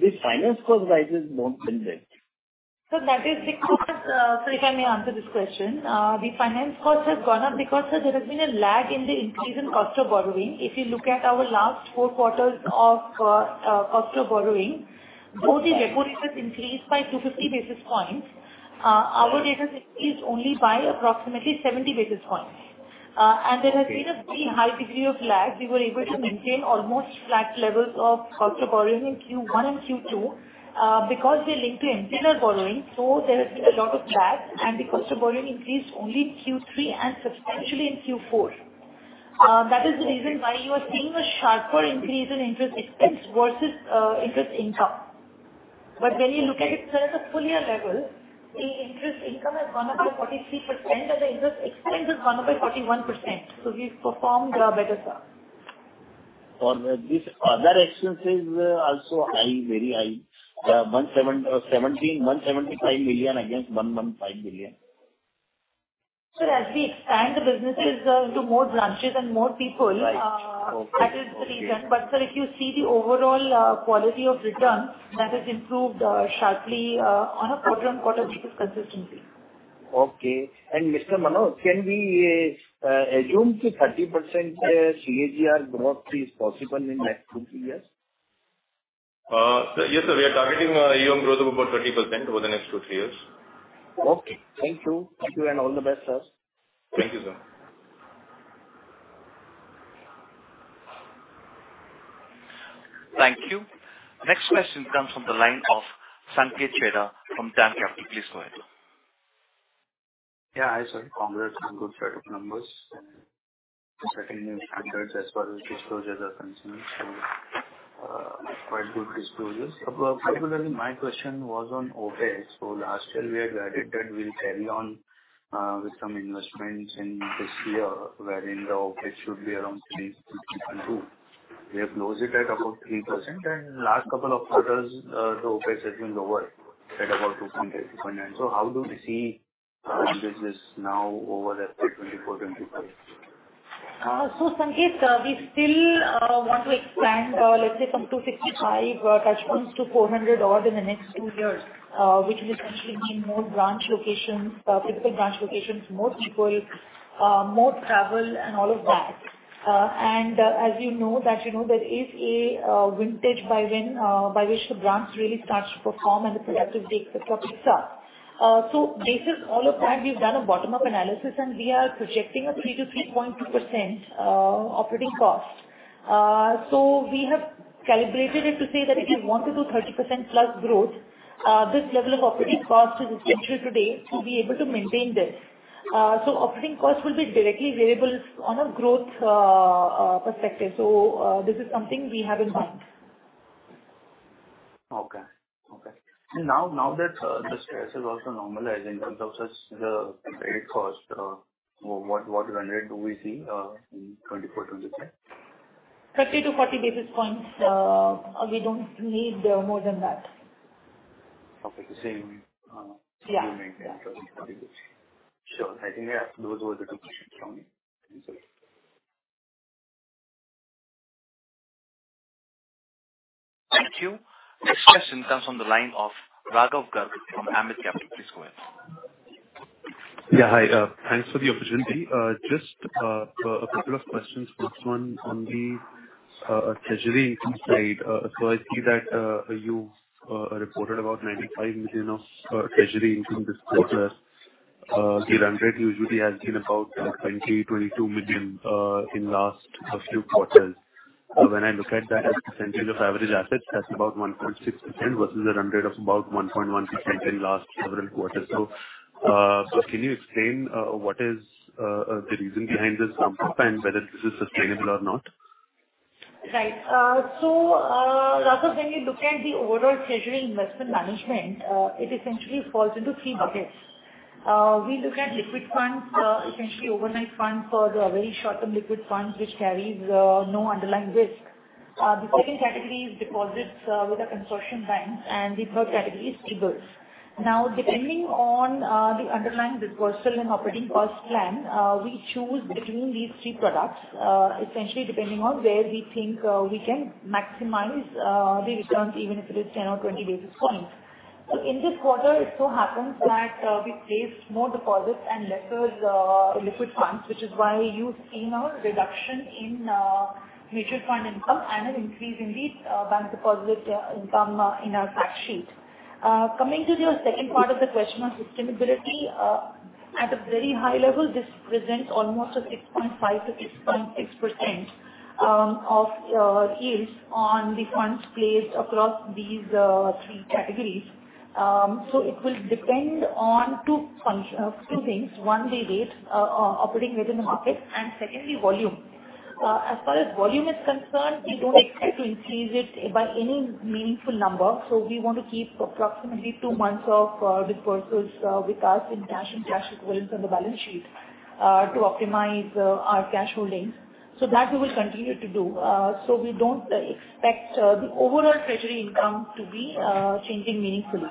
This finance cost rises don't reflect. That is because, sir, if I may answer this question. The finance cost has gone up because there has been a lag in the increase in cost of borrowing. If you look at our last four quarters of cost of borrowing, though the repo rate has increased by 250 basis points, our data has increased only by approximately 70 basis points. There has been a very high degree of lag. We were able to maintain almost flat levels of cost of borrowing in Q1 and Q2 because they're linked to internal borrowing, there has been a lot of lag. The cost of borrowing increased only in Q3 and substantially in Q4. That is the reason why you are seeing a sharper increase in interest expense versus interest income. When you look at it, sir, at a full year level, the interest income has gone up by 43% and the interest expense has gone up by 41%. We've performed better, sir. This other expenses are also high, very high. 175 million against 115 million. Sir, as we expand the businesses, to more branches and more people. Right. Okay. That is the reason. Sir, if you see the overall quality of returns, that has improved sharply on a quarter-on-quarter basis consistently. Okay. Mr. Manoj, can we assume the 30% CAGR growth is possible in next two, three years? Yes, sir. We are targeting a young growth of about 30% over the next two, three years. Okay. Thank you. Thank you, and all the best, sir. Thank you, sir. Thank you. Next question comes from the line of Sanket Chheda from DAM Capital. Please go ahead. Yeah. Hi, sir. Congrats on good set of numbers and setting new standards as far as disclosures are concerned. quite good disclosures. primarily my question was on OpEx. last year we had guided that we'll carry on, with some investments in this year, wherein the OpEx should be around 3% -3.2%. We have closed it at about 3%, last couple of quarters, the OpEx has been lower at about 2.8%-2.9%. how do we see the business now over the FY 2024, 2025? Sanket, we still want to expand, let's say from 255 touchpoints to 400 odd in the next two years, which will essentially mean more branch locations, physical branch locations, more people, more travel and all of that. As you know that, you know, there is a vintage by when by which the branch really starts to perform and the productivity picks up. Basis all of that, we've done a bottom-up analysis and we are projecting a 3% to 3.2% operating cost. We have calibrated it to say that if we want to do 30%+ growth, this level of operating cost is essential today to be able to maintain this. Operating cost will be directly variable on a growth perspective. This is something we have in mind. Okay. Okay. Now that the stress is also normalizing in terms of the credit cost, what run rate do we see in 2024, 2025? 30 to 40 basis points. We don't need more than that. Okay. The same. Yeah. same maintenance. Sure. I think those were the two questions from me. Thank you, sir. Thank you. Next question comes on the line of Raghav Garg from Ambit Capital. Please go ahead. Yeah, hi. Thanks for the opportunity. Just a couple of questions. First one on the treasury side. I see that you reported about 95 million of treasury income this quarter. The run rate usually has been about 20 million-22 million in last a few quarters. When I look at that as a percentage of average assets, that's about 1.6% versus a run rate of about 1.16% in last several quarters. Can you explain what is the reason behind this jump up and whether this is sustainable or not? Right. Raghav, when you look at the overall treasury investment management, it essentially falls into three buckets. We look at liquid funds, essentially overnight funds or the very short-term liquid funds which carries no underlying risk. The second category is deposits with our consortium banks, and the thirrd category is T-bills. Depending on the underlying dispersal and operating cost plan, we choose between these three products, essentially depending on where we think we can maximize the returns even if it is 10 or 20 basis points. In this quarter, it so happens that we placed more deposits and lesser liquid funds, which is why you've seen a reduction in mutual fund income and an increase in the bank deposit income in our fact sheet. Coming to your second part of the question on sustainability, at a very high level, this represents almost a 6.5%-6.6% of yields on the funds placed across these three categories. It will depend on two things. One, the rate, operating rate in the market and secondly, volume. As far as volume is concerned, we don't expect to increase it by any meaningful number. We want to keep approximately two months of dispersals with us in cash and cash equivalents on the balance sheet to optimize our cash holdings. That we will continue to do. We don't expect the overall treasury income to be changing meaningfully.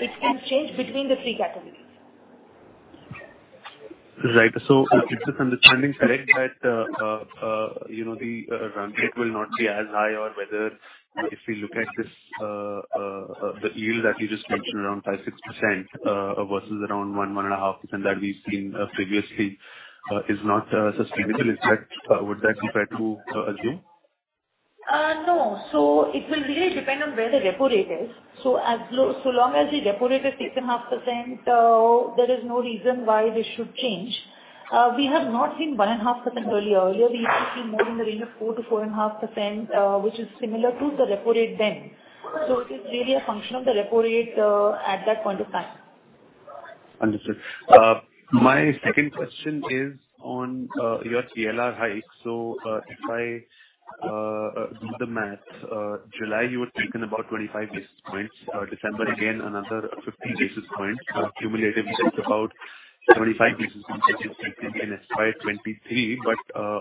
It can change between the three categories. Right. Is this understanding correct that, you know, the ramp rate will not be as high or whether if we look at this, the yield that you just mentioned around 5%-6% versus around 1%-1.5% that we've seen previously, is not sustainable. Is that, would that be fair to assume? No. It will really depend on where the repo rate is. As long as the repo rate is 3.5%, there is no reason why this should change. We have not seen 1.5% earlier. Earlier we used to see more in the range of 4%-4.5%, which is similar to the repo rate then. It is really a function of the repo rate at that point of time. Understood. My second question is on your PLR hike. If I do the math, July you had taken about 25 basis points. December again, another 50 basis points. Cumulatively that's about 75 basis points taken in FY 2023.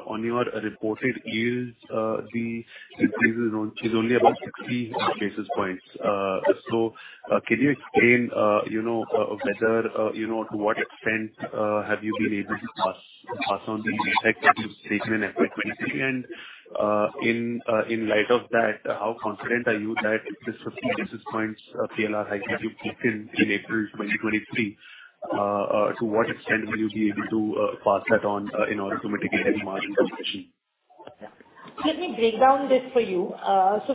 On your reported yields, the increases on is only about 60 basis points. Can you explain, you know, whether, you know, to what extent have you been able to pass on the effect that you've taken in FY 2023? In light of that, how confident are you that this 50 basis points PLR hike that you've taken in April 2023, to what extent will you be able to pass that on in order to mitigate any margin compression? Let me break down this for you.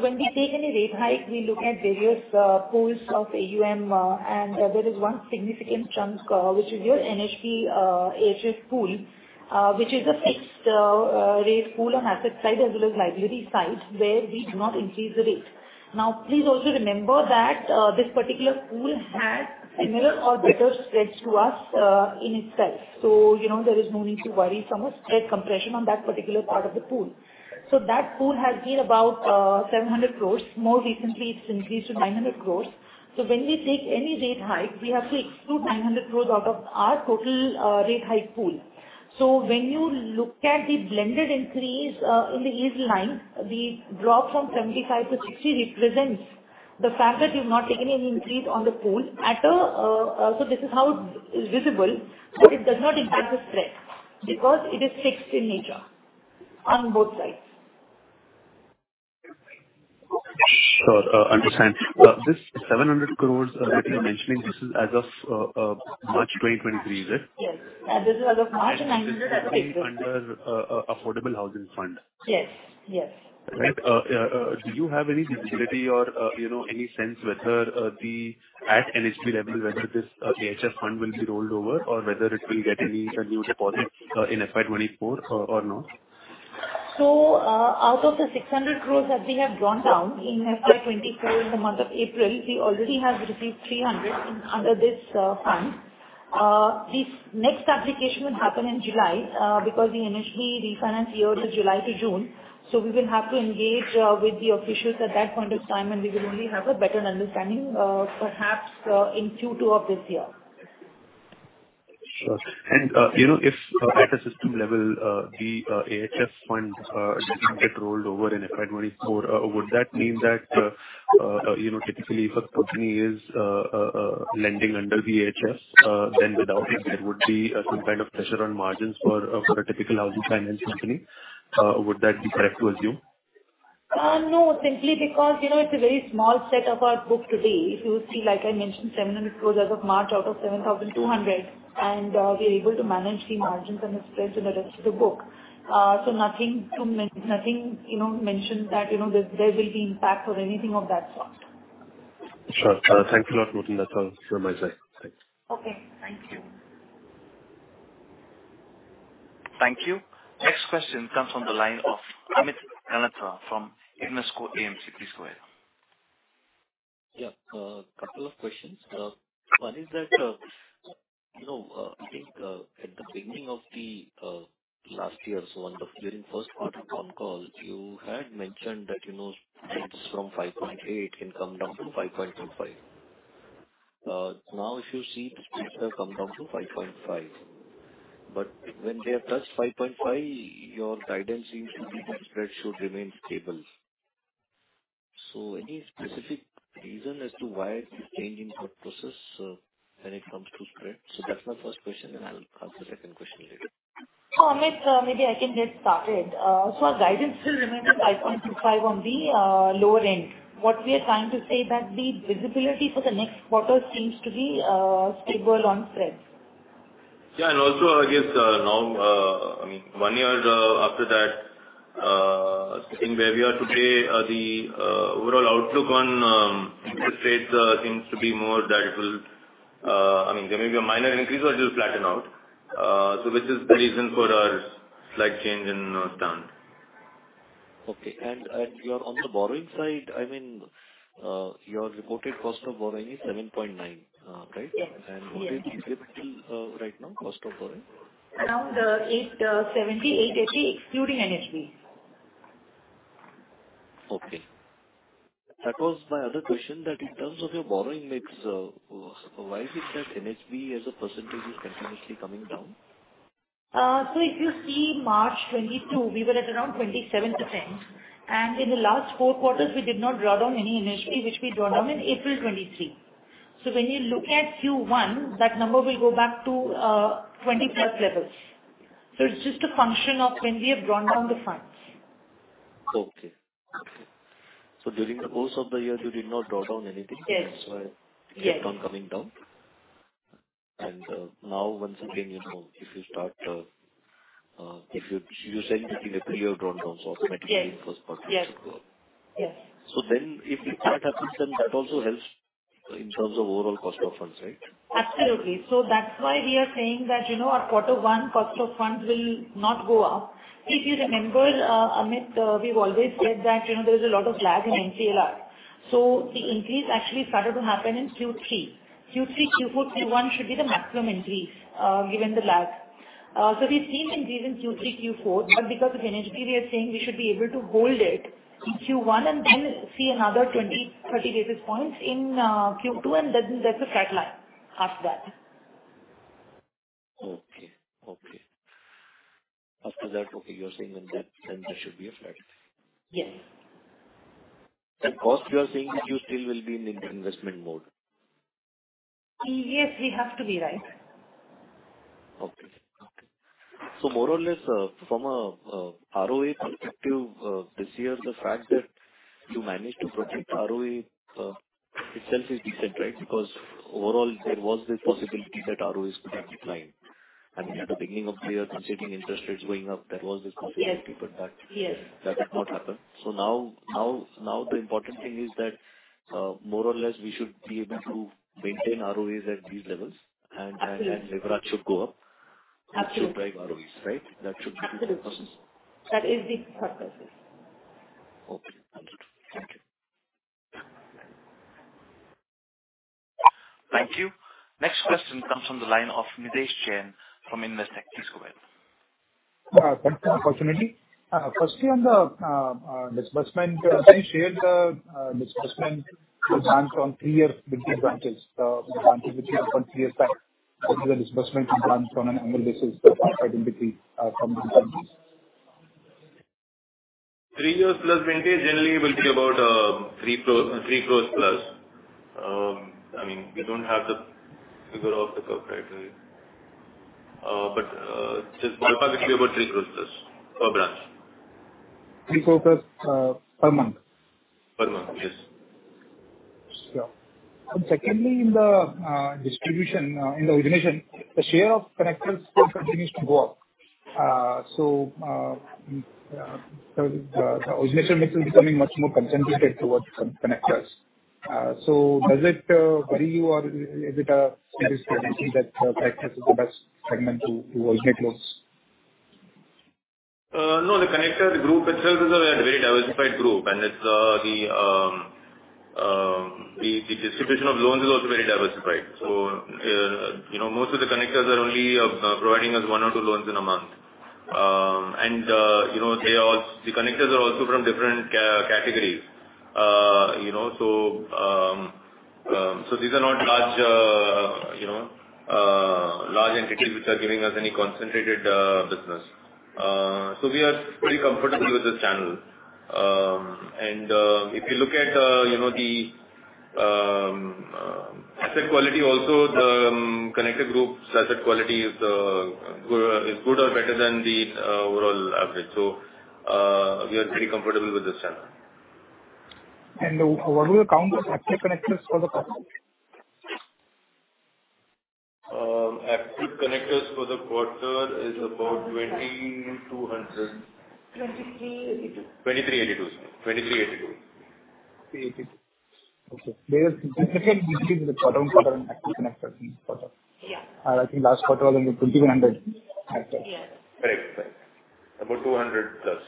When we take any rate hike, we look at various pools of AUM, and there is one significant chunk, which is your NHB AHS pool, which is a fixed rate pool on asset side as well as liability side, where we do not increase the rate. Now, please also remember that this particular pool has similar or better spreads to us in itself. You know, there is no need to worry from a spread compression on that particular part of the pool. That pool has been about 700 crores. More recently, it's increased to 900 crores. When we take any rate hike, we have to exclude 900 crores out of our total rate hike pool. When you look at the blended increase, in the yield line, the drop from 75% to 60% represents the fact that you've not taken any increase on the pool at a. This is how it's visible that it does not impact the spread because it is fixed in nature on both sides. Sure, understand. This 700 crores that you're mentioning, this is as of March 2023, is it? Yes. This is as of March, INR 900 at the peak. This is coming under, Affordable Housing Fund? Yes. Yes. Right. Do you have any visibility or, you know, any sense whether the at NHB level, whether this AHS fund will be rolled over or whether it will get any renewed deposit in FY 2024 or not? Out of the 600 crores that we have drawn down in FY 2024 in the month of April, we already have received 300 crores under this fund. The next application will happen in July because the NHB refinance year is July to June. We will have to engage with the officials at that point of time, and we will only have a better understanding perhaps in Q2 of this year. Sure. You know, if at a system level, the AHS fund doesn't get rolled over in FY 2024, would that mean that, you know, typically if a company is lending under the AHS, then without it there would be some kind of pressure on margins for a typical housing finance company? Would that be correct to assume? No, simply because, you know, it's a very small set of our book today. If you see, like I mentioned, 700 crores as of March out of 7,200 crores, and we are able to manage the margins and the spreads in the rest of the book. Nothing to nothing, you know, mention that, you know, there will be impact or anything of that sort. Sure. thank you a lot, Nutan. That's all from my side. Thanks. Okay, thank you. Thank you. Next question comes on the line of Amit Ganatra from Invesco AMC. Please go ahead. Yeah. Couple of questions. One is that, you know, I think at the beginning of the last year, during first part of conf call, you had mentioned that, you know, rates from 5.8% can come down to 5.25%. Now if you see, rates have come down to 5.5%, but when they have touched 5.5%, your guidance is that the spread should remain stable. Any specific reason as to why the change in thought process when it comes to spread? That's my first question, and I'll ask the second question later. Amit, maybe I can get started. Our guidance still remains at 5.25% on the lower end. What we are trying to say that the visibility for the next quarter seems to be stable on spreads. Yeah. I guess, now, I mean, one year after that, in where we are today, the overall outlook on interest rates seems to be more that it will, I mean, there may be a minor increase, but it will flatten out. Which is the reason for our slight change in stance. Okay. You're on the borrowing side, I mean, your reported cost of borrowing is 7.9%, right? Yes. Yes. What is it till, right now, cost of borrowing? Around 870, 880, excluding NHB. Okay. That was my other question, that in terms of your borrowing mix, why is it that NHB as a percentage is continuously coming down? If you see March 2022, we were at around 27%. In the last four quarters, we did not draw down any inventory which we drawn down in April 2023. When you look at Q1, that number will go back to 20+ levels. It's just a function of when we have drawn down the funds. During the course of the year, you did not draw down anything- Yes. It kept on coming down. Now once again, you know, if you start, if you said if we have pre-drawn down so automatically- Yes. In the first quarter it should go up. Yes. If that happens, then that also helps in terms of overall cost of funds, right? Absolutely. That's why we are saying that, you know, our quarter one cost of funds will not go up. If you remember, Amit, we've always said that, you know, there's a lot of lag in MCLR. The increase actually started to happen in Q3. Q3, Q4, Q1 should be the maximum increase, given the lag. We see increase in Q3, Q4, but because of NHB, we are saying we should be able to hold it in Q1 and then see another 20-30 basis points in Q2, and then that's a flat line after that. Okay. After that, okay, you're saying then that then there should be a flat line. Yes. cost, you are saying that you still will be in investment mode. Yes, we have to be, right. Okay. Okay. More or less, from a ROA perspective, this year, the fact that you managed to protect ROA, itself is decent, right? Overall there was this possibility that ROA is going to decline. I mean, at the beginning of the year, considering interest rates going up, there was this possibility. Yes. -but that- Yes. that did not happen. Now the important thing is that, more or less we should be able to maintain ROAs at these levels. Absolutely. leverage should go up. Absolutely. To drive ROAs, right? That should be the purpose. Absolutely. That is the purpose. Yes. Okay. Understood. Thank you. Thank you. Next question comes from the line of Nidhesh Jain from Investec. Please go ahead. Thank you for the opportunity. Firstly on the disbursement, can you share the disbursement to branch on three years vintage branches, the branches which you opened three years back. What is the disbursement to branch on an annual basis for FY 2023 from these branches? Three years plus vintage generally will be about 3+ crores. I mean, we don't have the figure off the cuff, right? Just roughly it's about 3 +crores per branch. 3+ crores, per month? Per month, yes. Sure. Secondly, in the distribution, in the origination, the share of connectors still continues to go up. The origination mix is becoming much more concentrated towards connectors. Does it worry you or is it a strategic decision that connectors is the best segment to originate loans? No, the connector, the group itself is a very diversified group, and it's the distribution of loans is also very diversified. You know, most of the connectors are only providing us one or two loans in a month. You know, the connectors are also from different categories. You know, these are not large, you know, large entities which are giving us any concentrated business. We are pretty comfortable with this channel. If you look at, you know, the asset quality also, the connector group's asset quality is good or better than the overall average. We are pretty comfortable with this channel. What do you count as active connectors for the quarter? Active connectors for the quarter is about 2,200. 2,382. 2,3383 Okay. There is significant decrease in the quarter-on-quarter in active connectors in this quarter. Yeah. I think last quarter was only 2,100 active. Yes. Right. Right. About 200+.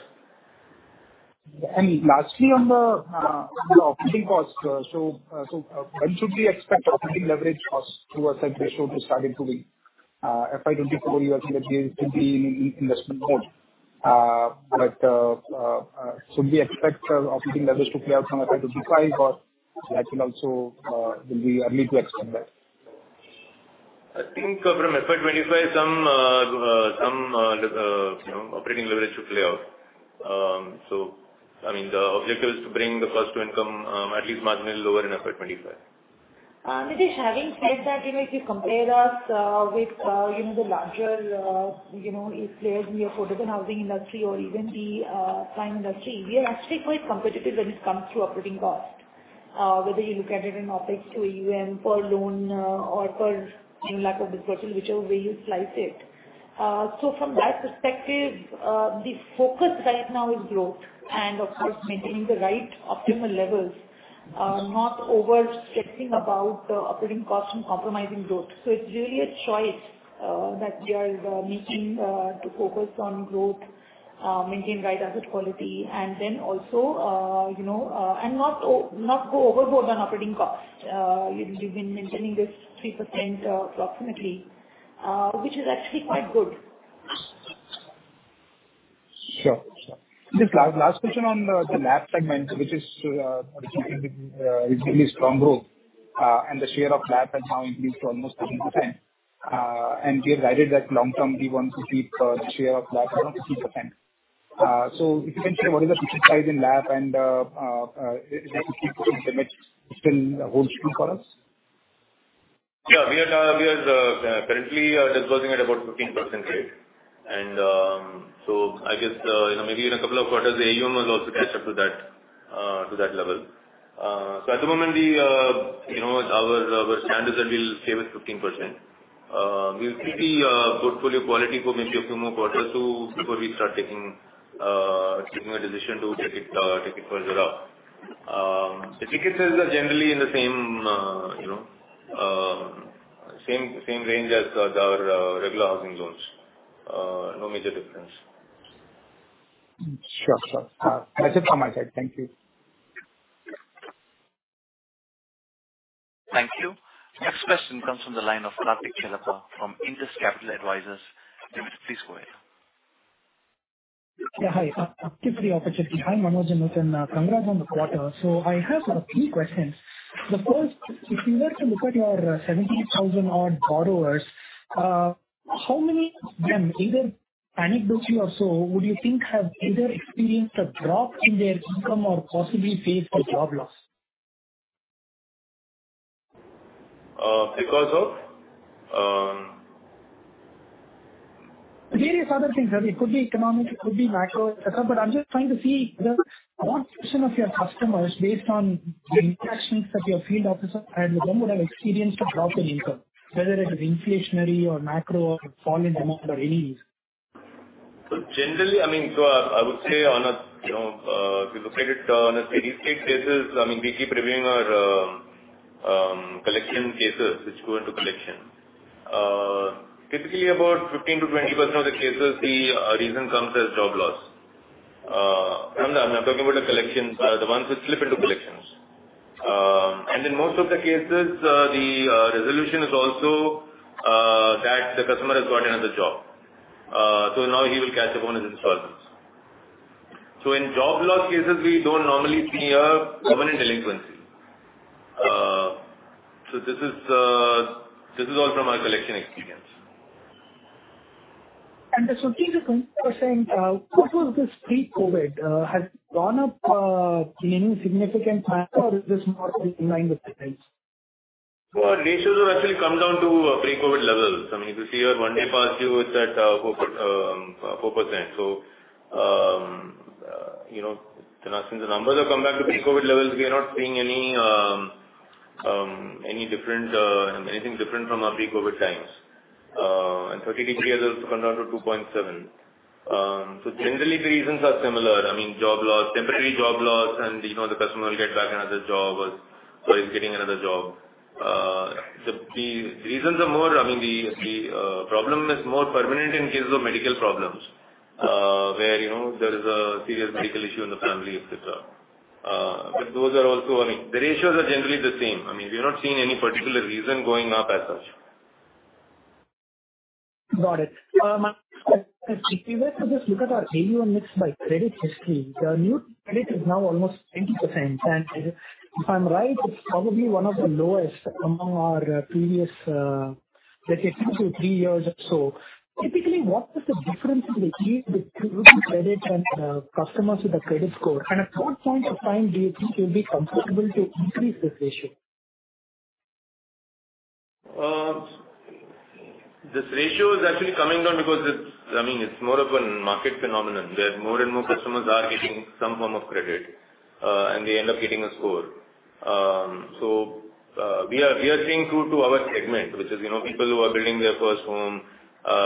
Lastly on the operating cost. When should we expect operating leverage or through asset ratio to start improving? FY 2024, you are saying that we will be in investment mode. Should we expect operating leverage to play out from FY 2025 or that will also, will we need to extend that? I think from FY 2025 some, you know, operating leverage should play out. I mean, the objective is to bring the cost to income, at least marginally lower in FY 2025. Nidhesh, having said that, you know, if you compare us with, you know, the larger, you know, A-players in the affordable housing industry or even the prime industry, we are actually quite competitive when it comes to operating cost. Whether you look at it in OpEx to AUM per loan, or per, you know, lack of disbursement, whichever way you slice it. From that perspective, the focus right now is growth and of course maintaining the right optimal levels, not over-stressing about the operating cost and compromising growth. It's really a choice that we are making to focus on growth, maintain right asset quality, and then also, you know, and not not go overboard on operating cost. we've been maintaining this 3%, approximately, which is actually quite good. Sure. Just last question on the LAP segment, which is originally really strong growth, and the share of LAP has now increased to almost 13%. We have guided that long term, we want to keep the share of LAP around 15%. If you can share what is the split size in LAP and is that 15% still holds true for us? Yeah. We are currently disclosing at about 15% rate. I guess, you know, maybe in a couple of quarters, the AUM will also catch up to that to that level. At the moment we, you know, our standard that we'll stay with 15%. We'll keep the portfolio quality for maybe a few more quarters before we start taking a decision to take it further up. The ticket sales are generally in the same, you know, same range as our regular housing loans. No major difference. Sure. Sure. That's it from my side. Thank you. Thank you. Next question comes from the line of Karthik Chellappa from Indus Capital Advisors. David, please go ahead. Hi. Thank you for the opportunity. Hi, Manoj and Nutan. Congrats on the quarter. I have three questions. The first, if you were to look at your 70,000 odd borrowers, how many of them, either anecdotally or so, would you think have either experienced a drop in their income or possibly faced a job loss? Because of? Various other things. I mean, it could be economic, it could be macro, et cetera. I'm just trying to see whether what portion of your customers, based on the interactions that your field officer had with them, would have experienced a drop in income, whether it is inflationary or macro or fall in demand or any. Generally, I mean, I would say on a, you know, if you look at it on a state-by-state basis, I mean, we keep reviewing our collection cases which go into collection. Typically about 15%-20% of the cases, the reason comes as job loss. I'm talking about a collection, the ones which slip into collections. In most of the cases, the resolution is also that the customer has got another job. Now he will catch up on his installments. In job loss cases, we don't normally see a permanent delinquency. This is also my collection experience. The 15%-20%, before this pre-COVID, has gone up, in any significant manner or is this more in line with the trends? Our ratios have actually come down to pre-COVID levels. I mean, if you see our 1-day past due, it's at 4%. You know, since the numbers have come back to pre-COVID levels, we are not seeing any different, anything different from our pre-COVID times. 30 DPD has also come down to 2.7%. Generally the reasons are similar. I mean, job loss, temporary job loss, and, you know, the customer will get back another job or so he's getting another job. The reasons are more... I mean, the problem is more permanent in cases of medical problems, where, you know, there is a serious medical issue in the family, et cetera. Those are also, I mean, the ratios are generally the same. I mean, we're not seeing any particular reason going up as such. Got it. If we were to just look at our AUM mix by credit history, the new credit is now almost 20%. If I'm right, it's probably one of the lowest among our previous, let's say two-three years or so. Typically, what is the difference in the lead between credit and customers with a credit score? At what point of time do you think you'll be comfortable to increase this ratio? This ratio is actually coming down because it's, I mean, it's more of a market phenomenon, where more and more customers are getting some form of credit, and they end up getting a score. We are seeing true to our segment, which is, you know, people who are building their first home,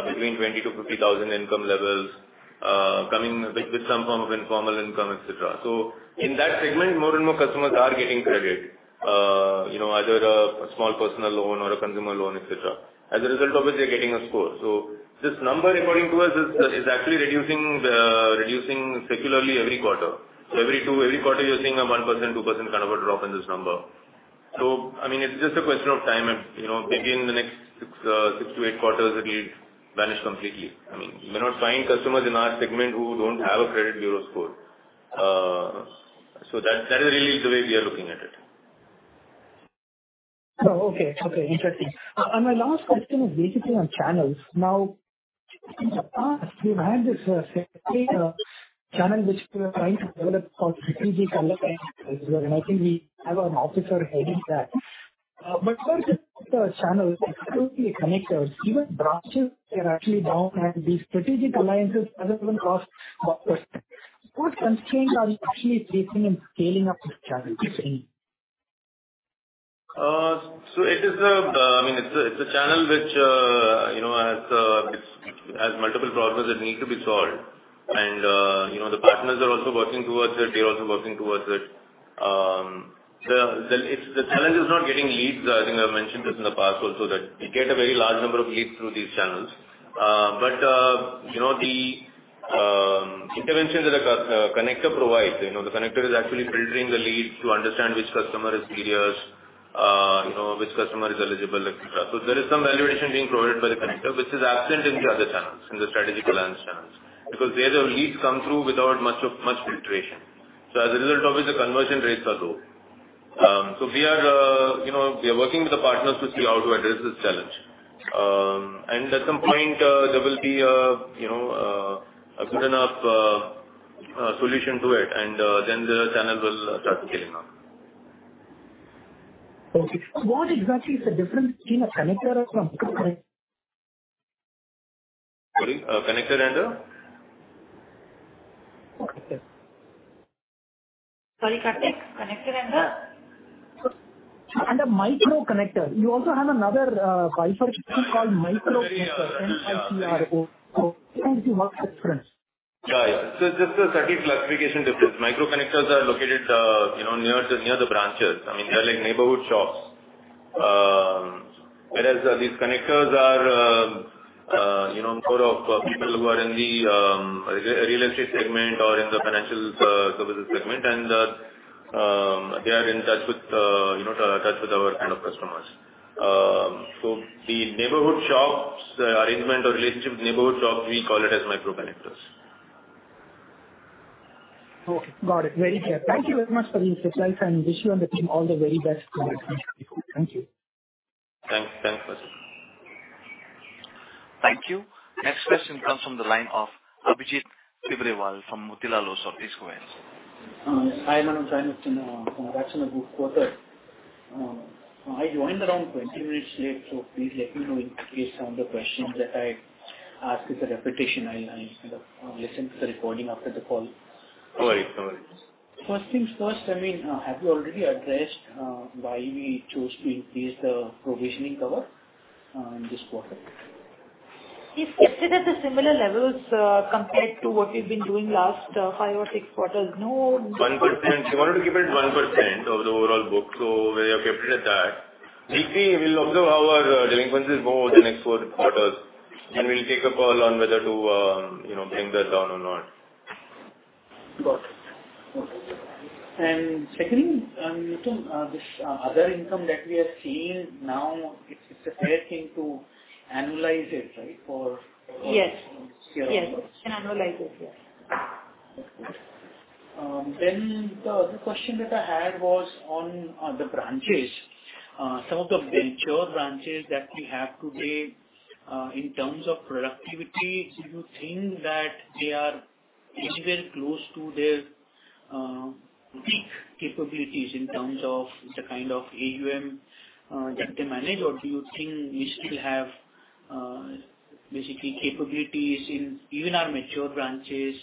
between 20,000-50,000 income levels, coming with some form of informal income, et cetera. In that segment, more and more customers are getting credit, you know, either a small personal loan or a consumer loan, et cetera. As a result of which they're getting a score. This number according to us is actually reducing secularly every quarter. Every quarter, you're seeing a 1%, 2% kind of a drop in this number. I mean, it's just a question of time and, you know, maybe in the next six to eight quarters it'll vanish completely. I mean, you may not find customers in our segment who don't have a credit bureau score. That, that is really the way we are looking at it. Oh, okay. Okay. Interesting. My last question is basically on channels. Now, in the past we've had this channel which we were trying to develop called strategic alliance, and I think we have an officer heading that. First this channel, it's totally a connector. Even branches can actually now have these strategic alliances other than across borders. What constraints are you actually facing in scaling up this channel, if any? It is a, I mean, it's a, it's a channel which, you know, has multiple problems that need to be solved. The partners are also working towards it. They're also working towards it. The challenge is not getting leads. I think I've mentioned this in the past also that we get a very large number of leads through these channels. The intervention that a connector provides, you know, the connector is actually filtering the leads to understand which customer is serious, which customer is eligible, et cetera. There is some validation being provided by the connector, which is absent in the other channels, in the strategic alliance channels. There the leads come through without much filtration. As a result of it, the conversion rates are low. We are, you know, we are working with the partners to see how to address this challenge. At some point, there will be a, you know, a good enough solution to it, and then the channel will start scaling up. Okay. What exactly is the difference between a connector and micro connector? Pardon. A connector and a? Connector. Sorry, Karthik. Connector and a...? A micro connector. You also have another bifurcation called micro connector. Micro connector. How is it different? Yeah, yeah. Just a slight classification difference. Micro connectors are located, you know, near the branches. I mean, they're like neighborhood shops. Whereas, these connectors are, you know, more of people who are in the real estate segment or in the financial services segment. They are in touch with our kind of customers. The neighborhood shops, the arrangement or relationship with neighborhood shops, we call it as micro connectors. Okay, got it. Very clear. Thank you very much for the insights. Wish you and the team all the very best going forward. Thank you. Thanks, Karthik. Thank you. Next question comes from the line of Abhijit Tibrewal from Motilal Oswal. Hi, Manoj and Nutan congrats on a good quarter. I joined around 20 minutes late, so please let me know in case some of the questions that I ask is a repetition. I kind of listen to the recording after the call. No worries. No worries. First things first. I mean, have you already addressed why we chose to increase the provisioning cover in this quarter? We've kept it at the similar levels, compared to what we've been doing last, five or six quarters. 1%. We wanted to keep it 1% of the overall book. We have kept it at that. We see, we'll observe how our delinquencies go over the next four quarters. We'll take a call on whether to, you know, bring that down or not. Got it. Secondly, Nutan, this other income that we are seeing now, it's a fair thing to analyze it, right? Yes. Yes. We can analyze it. Yes. That's good. The other question that I had was on the branches. Some of the mature branches that we have today, in terms of productivity, do you think that they are anywhere close to their peak capabilities in terms of the kind of AUM that they manage? Do you think we still have basically capabilities in even our mature branches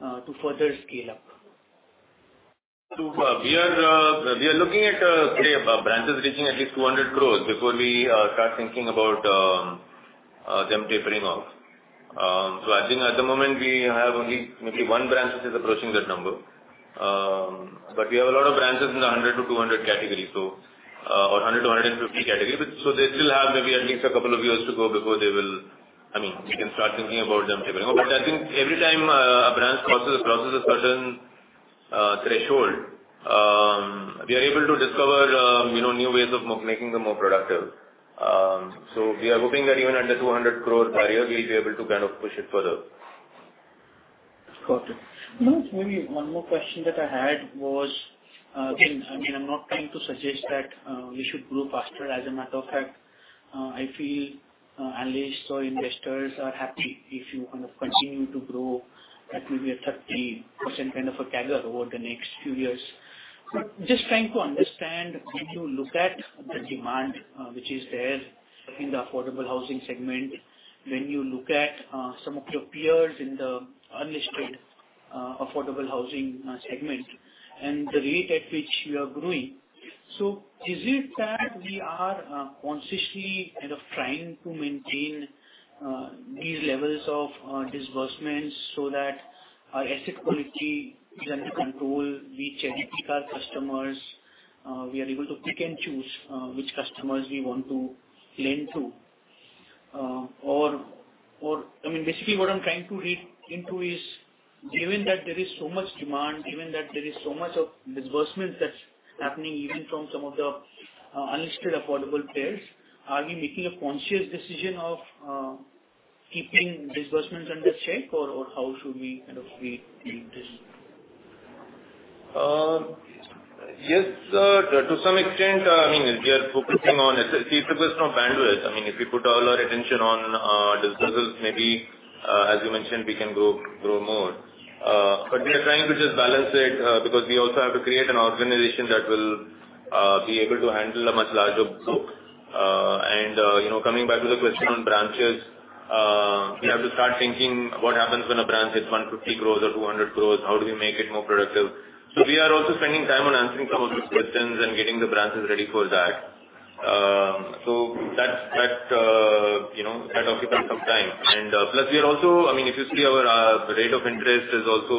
to further scale up? We are looking at, say branches reaching at least 200 crore before we start thinking about them tapering off. I think at the moment we have only maybe one branch which is approaching that number. We have a lot of branches in the 100 crore-200 crore category, or 100 crore-150 crore category. They still have maybe at least a couple of years to go before they I mean, we can start thinking about them tapering off. I think every time a branch crosses a certain threshold, we are able to discover, you know, new ways of making them more productive. We are hoping that even under 200 crore barrier we'll be able to kind of push it further. Got it. You know, maybe one more question that I had was, again, I mean, I'm not trying to suggest that we should grow faster. As a matter of fact, I feel analysts or investors are happy if you kind of continue to grow at maybe a 30% kind of a CAGR over the next few years. Just trying to understand, when you look at the demand, which is there in the affordable housing segment, when you look at some of your peers in the unlisted affordable housing segment and the rate at which you are growing. Is it that we are consciously kind of trying to maintain these levels of disbursements so that our asset quality is under control, we cherry-pick our customers, we are able to pick and choose which customers we want to lend to? I mean, basically what I'm trying to read into is, given that there is so much demand, given that there is so much of disbursement that's happening even from some of the unlisted affordable players, are we making a conscious decision of keeping disbursements under check? Or how should we kind of read this? Yes, to some extent, I mean, we are focusing on it. It's a question of bandwidth. I mean, if we put all our attention on disbursements, maybe, as you mentioned, we can grow more. We are trying to just balance it because we also have to create an organization that will be able to handle a much larger book. You know, coming back to the question on branches, we have to start thinking what happens when a branch hits 150 crores or 200 crores. How do we make it more productive? We are also spending time on answering some of these questions and getting the branches ready for that. That's, that's, you know, that occupies some time. Plus we are also... I mean, if you see our rate of interest is also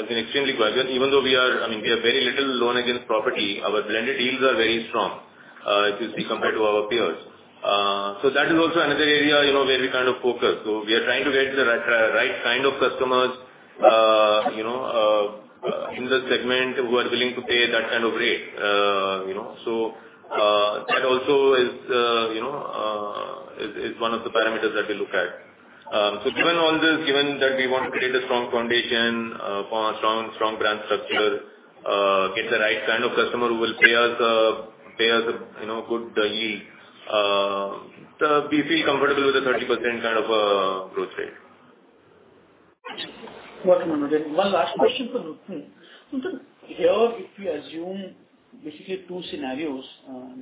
has been extremely vibrant. Even though we are, I mean, we have very little loan against property, our blended yields are very strong, if you see compared to our peers. That is also another area of focus. We are trying to get the right kind of customers, you know, in the segment who are willing to pay that kind of rate. You know, so that also is, you know, is one of the parameters that we look at. Given all this, given that we want to create a strong foundation, for a strong brand structure, get the right kind of customer who will pay us, you know, good yield. We feel comfortable with the 30% kind of, growth rate. Welcome. One last question for Nutan. Nutan, here if you assume basically two scenarios,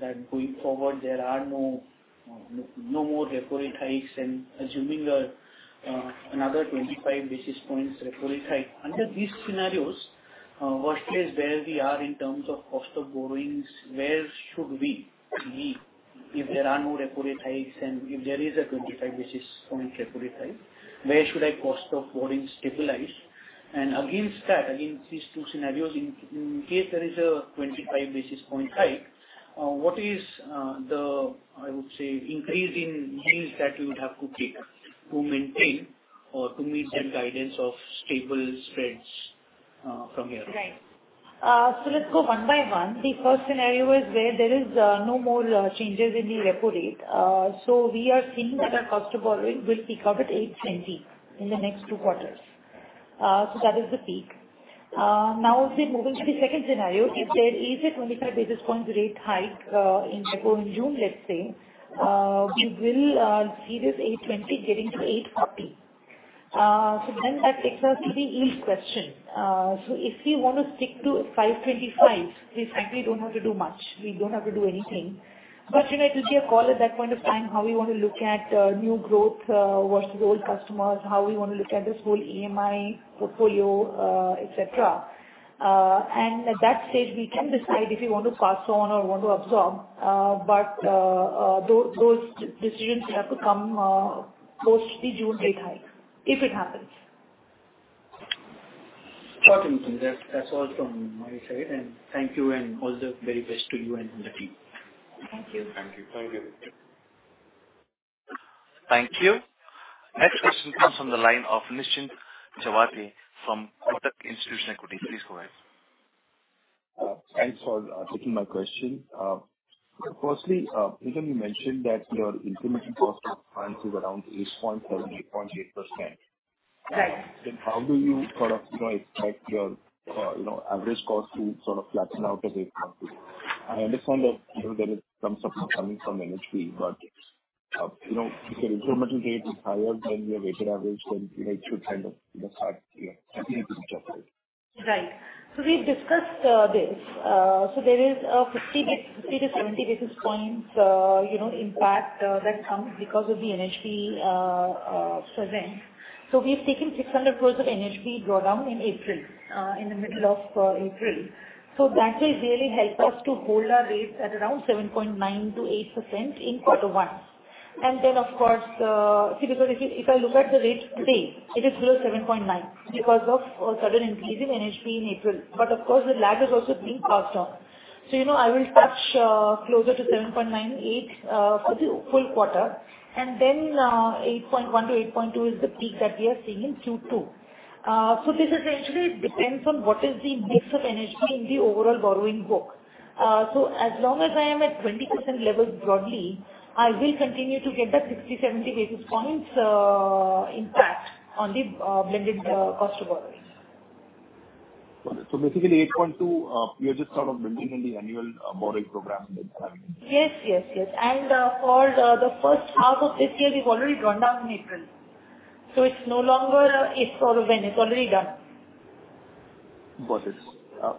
that going forward there are no more repo rate hikes, and assuming another 25 basis points repo rate hike. Under these scenarios, what is where we are in terms of cost of borrowings? Where should we be if there are no repo rate hikes and if there is a 25 basis point repo rate hike? Where should our cost of borrowing stabilize? Against that, against these two scenarios, in case there is a 25 basis point hike, what is the, I would say, increase in yields that you would have to take to maintain or to meet that guidance of stable spreads from here? Right. Let's go one by one. The first scenario is where there is no more changes in the repo rate. We are seeing that our cost of borrowing will peak out at 8.20 in the next two quarters. That is the peak. Moving to the second scenario, if there is a 25 basis points rate hike in repo in June, we will see this 8.20 getting to 8.40. That takes us to the yield question. If we wanna stick to 5.25%, we frankly don't have to do much. We don't have to do anything. You know, it will be a call at that point of time, how we wanna look at new growth versus old customers, how we wanna look at this whole EMI portfolio, et cetera. At that stage we can decide if we want to pass on or want to absorb. Those decisions will have to come post the June rate hike, if it happens. Sure, Nutan. That's all from my side. Thank you and all the very best to you and the team. Thank you. Thank you. Thank you. Thank you. Next question comes from the line of Nischint Chawathe from Kotak Institutional Equities. Please go ahead. Thanks for taking my question. Firstly, Nutan, you mentioned that your incremental cost of funds is around 8.7%-8.8%. Right. How do you sort of, you know, expect your, you know, average cost to sort of flatten out as it comes to? I understand that, you know, there is some support coming from NHB, but, you know, if your incremental rate is higher than your weighted average, then, you know, it should kind of, you know, start, you know, affecting your profits. Right. We've discussed this. There is a 50 to 70 basis points, you know, impact that comes because of the NHB presence. We've taken 600 crores of NHB drawdown in April, in the middle of April. That will really help us to hold our rates at around 7.9% to 8% in quarter one. Of course. See, because if I look at the rates today, it is below 7.9% because of a sudden increase in NHB in April. Of course, the lag is also being passed on. You know, I will touch closer to 7.98% for the full quarter. Then 8.1% to 8.2% is the peak that we are seeing in Q2. This essentially depends on what is the mix of NHB in the overall borrowing book. As long as I am at 20% levels broadly, I will continue to get that 60, 70 basis points, impact on the blended cost of borrowings. Got it. Basically 8.2%, you're just sort of building in the annual borrowing program that you are having. Yes. Yes. Yes. For the first half of this year, we've already drawn down in April. It's no longer a if or a when, it's already done. Got it.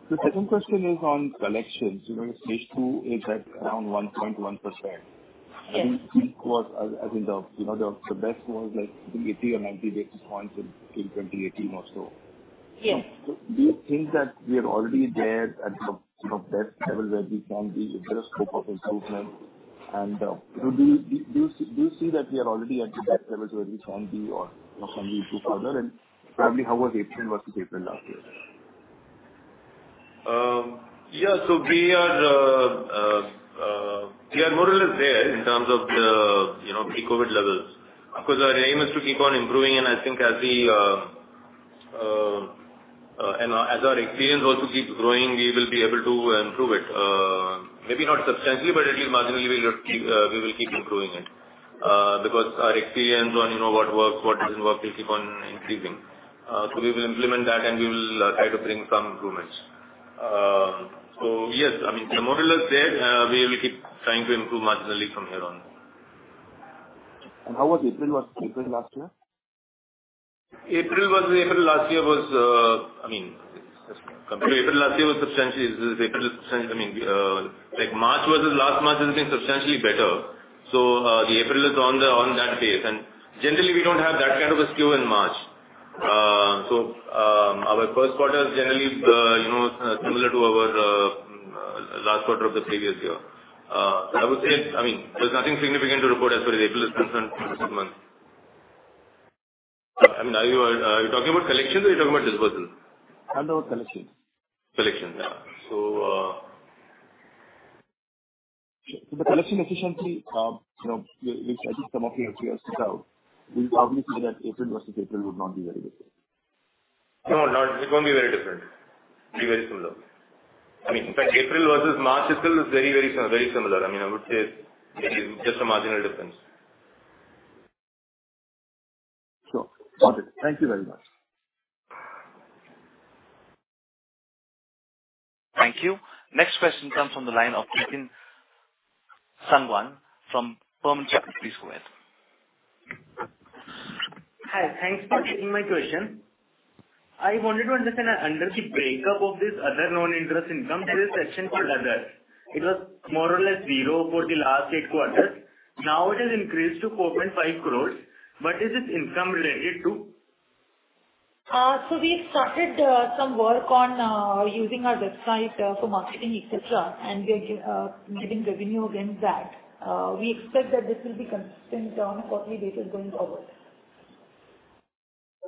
The second question is on collections. You know, Q2 is at around 1.1%. Yes. I think peak was, You know, the best was like 80 or 90 basis points in 2018 or so. Yes. Do you think that we are already there at the, you know, best level where we can be, is there a scope of improvement? You know, do you see that we are already at the best levels where we can be or can we do further? Probably how was April versus April last year? Yeah. We are more or less there in terms of the, you know, pre-COVID levels. Of course, our aim is to keep on improving and I think as we and as our experience also keeps growing, we will be able to improve it. Maybe not substantially, but at least marginally we will keep improving it. Because our experience on, you know, what works, what doesn't work will keep on increasing. We will implement that and we will try to bring some improvements. Yes, I mean, we're more or less there. We will keep trying to improve marginally from here on. How was April versus April last year? April versus April last year was, I mean, let's compare. April was substantially, I mean, like March versus last March has been substantially better. The April is on the, on that base. Generally we don't have that kind of a skew in March. Our first quarter is generally, you know, similar to our last quarter of the previous year. I would say, I mean, there's nothing significant to report as far as April is concerned for this month. I mean, are you talking about collections or are you talking about disbursements? I'm talking about collections. Collections. Sure. The collection efficiency, you know, which I think some of your peers sit out, we probably see that April versus April would not be very different. No, it won't be very different. It'll be very similar. I mean, in fact, April versus March is still very, very similar. I mean, I would say it's just a marginal difference. Sure. Got it. Thank you very much. Thank you. Next question comes from the line of Jatin Sangwan from Burman Capital. Please go ahead. Hi. Thanks for taking my question. I wanted to understand, under the breakup of this other non-interest income, there is section called others. It was more or less zero for the last eight quarters. Now it has increased to 4.5 crores. What is this income related to? We started some work on using our website for marketing, et cetera. We are making revenue against that. We expect that this will be consistent on a quarterly basis going forward.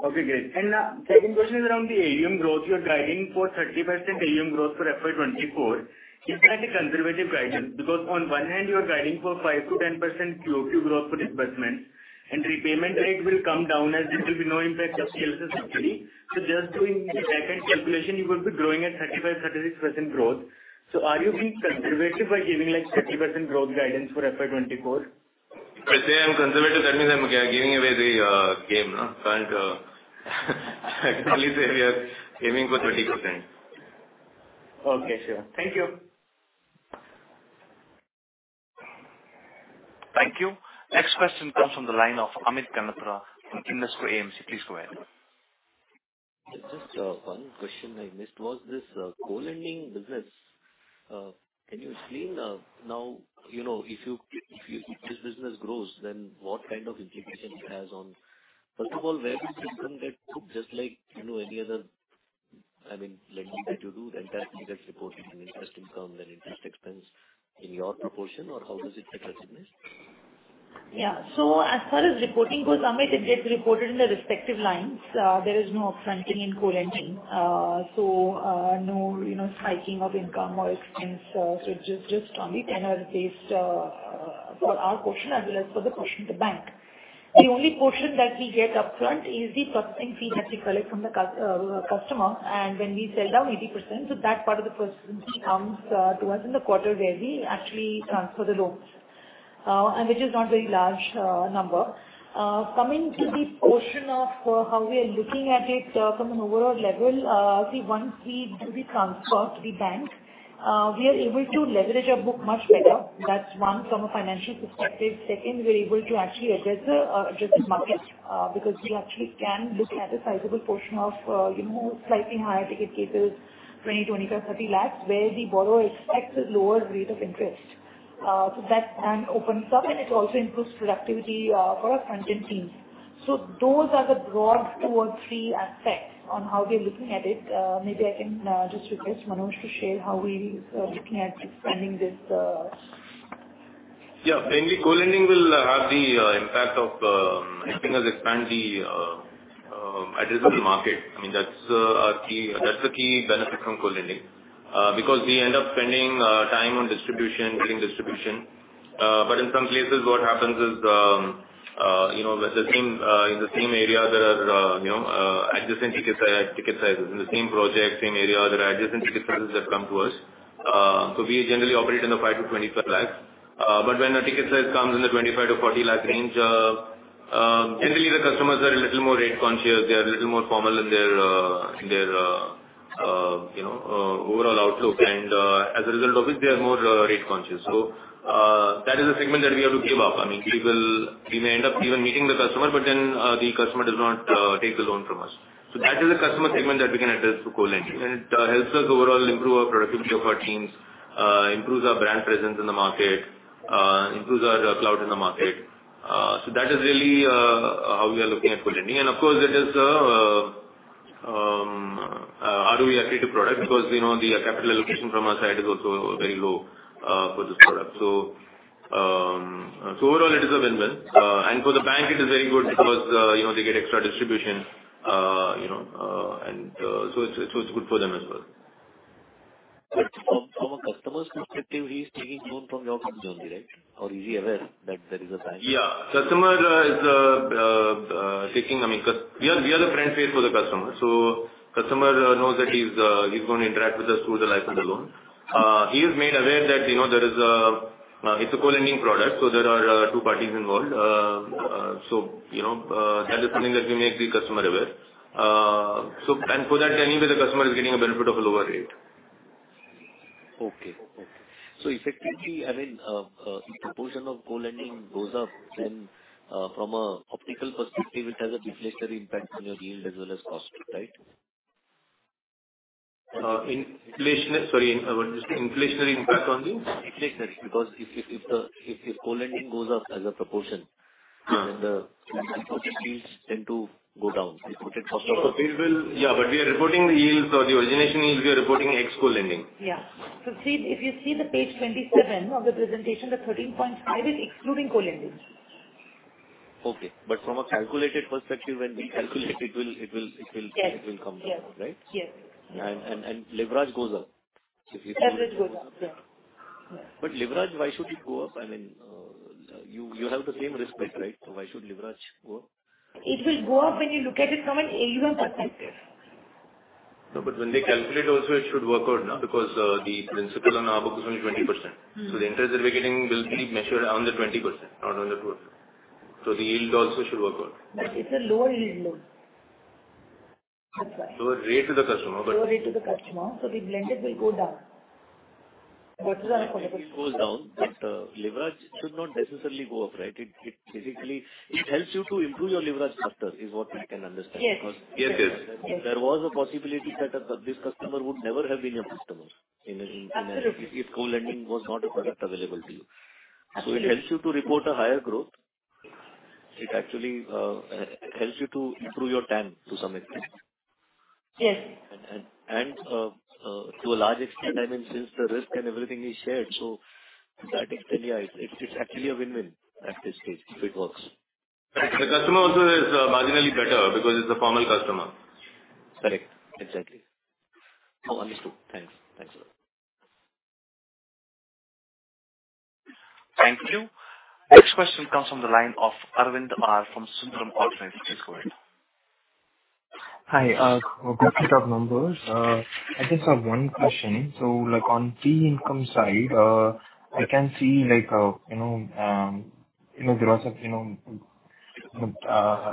Okay, great. Second question is around the AUM growth. You're guiding for 30% AUM growth for FY 2024. Is that a conservative guidance? On one hand you are guiding for 5%-10% QoQ growth for disbursement and repayment rate will come down as there will be no impact of CLSS subsidy. Just doing the back-end calculation, you would be growing at 35%-36% growth. Are you being conservative by giving, like, 30% growth guidance for FY 2024? If I say I'm conservative, that means I'm giving away the game, no? Can't I can only say we are aiming for 30%. Okay. Sure. Thank you. Thank you. Next question comes from the line of Amit Ganatra from Invesco AMC. Please go ahead. Just one question I missed. Was this co-lending business, can you explain now, you know, if this business grows then what kind of implication it has on. First of all, where does this come get booked just like, you know, any other, I mean, lending that you do, the entire thing gets reported in interest income, then interest expense in your proportion or how does it get recognized? Yeah. As far as reporting goes, Amit, it gets reported in the respective lines. There is no upfronting in co-lending. No, you know, spiking of income or expense. It's just only tenor-based, for our portion as well as for the portion of the bank. The only portion that we get upfront is the processing fee that we collect from the customer and when we sell down 80%, that part of the processing fee comes to us in the quarter where we actually transfer the loans. Which is not very large number. Coming to the portion of how we are looking at it, from an overall level, see once we do the transfer to the bank, we are able to leverage our book much better. That's one from a financial perspective. Second, we're able to actually address a address a market because we actually can look at a sizable portion of, you know, slightly higher ticket capers, 20 lakhs, 25 lakhs, 30 lakhs, where the borrower expects a lower rate of interest. That then opens up and it also improves productivity for our front-end teams. Those are the broad two or three aspects on how we are looking at it. Maybe I can just request Manoj to share how we looking at expanding this. Yeah. Mainly co-lending will have the impact of helping us expand the addressable market. I mean, that's a key benefit from co-lending. We end up spending time on distribution, getting distribution. In some places what happens is, you know, the same in the same area there are, you know, adjacent ticket sizes. In the same project, same area, there are adjacent ticket sizes that come to us. We generally operate in the 5 lakh- 25 lakh. When a ticket size comes in the 25 lakh-40 lakh range, generally the customers are a little more rate conscious. They are a little more formal in their overall outlook and as a result of which they are more rate conscious. That is a segment that we have to give up. I mean, we will, we may end up even meeting the customer but then the customer does not take the loan from us. That is a customer segment that we can address through co-lending. It helps us overall improve our productivity of our teams, improves our brand presence in the market, improves our clout in the market. That is really how we are looking at co-lending. Of course it is a ROE accretive product because the capital allocation from our side is also very low for this product. Overall it is a win-win. For the bank it is very good because, you know, they get extra distribution, you know, so it's good for them as well. From a customer's perspective, he's taking loan from your company only, right? Or is he aware that there is a bank? Yeah. Customer is taking, I mean, we are the front face for the customer. Customer knows that he's going to interact with us through the life of the loan. He is made aware that, you know, there is it's a co-lending product, so there are two parties involved. you know, that is something that we make the customer aware. For that anyway the customer is getting a benefit of a lower rate. Okay. Okay. Effectively, I mean, if proportion of co-lending goes up then, from a optical perspective it has a deflationary impact on your yield as well as cost, right? Inflation, sorry, what did you say? Inflationary impact on the? Deflationary. If the co-lending goes up as a. Yeah. The yields tend to go down. They put a cost on- Yeah, we are reporting the yields or the origination yields, we are reporting ex co-lending. Yeah. See, if you see the page 27 of the presentation, the 13.5% is excluding co-lending. Okay. From a calculated perspective, when we calculate it will. Yes. It will come down. Right? Yes. Leverage goes up. Leverage goes up. Yeah. Yeah. leverage, why should it go up? I mean, you have the same risk weight, right? why should leverage go up? It will go up when you look at it from an AUM perspective. When they calculate also it should work out now because, the principal on our book is only 20%..The interest that we're getting will be measured on the 20%, not on the full. The yield also should work out. It's a lower yield loan. That's why. Lower rate to the customer. Lower rate to the customer. The blended will go down. Those are our competitors. It will down, but leverage should not necessarily go up, right? It basically it helps you to improve your leverage further, is what we can understand. Yes. Yes, yes. There was a possibility that this customer would never have been your customer in a. Absolutely. if co-lending was not a product available to you. Absolutely. It helps you to report a higher growth. It actually helps you to improve your TAM to some extent. Yes. To a large extent, I mean, since the risk and everything is shared, so that is then, yeah, it's actually a win-win at this stage if it works. The customer also is marginally better because it's a formal customer. Correct. Exactly. No, understood. Thanks. Thanks a lot. Thank you. Next question comes from the line of Arvind Ramachandran from Sundaram Alternates. Please go ahead. Hi. good set of numbers. I just have one question. Like, on fee income side, I can see like, you know, you know, there was a, you know,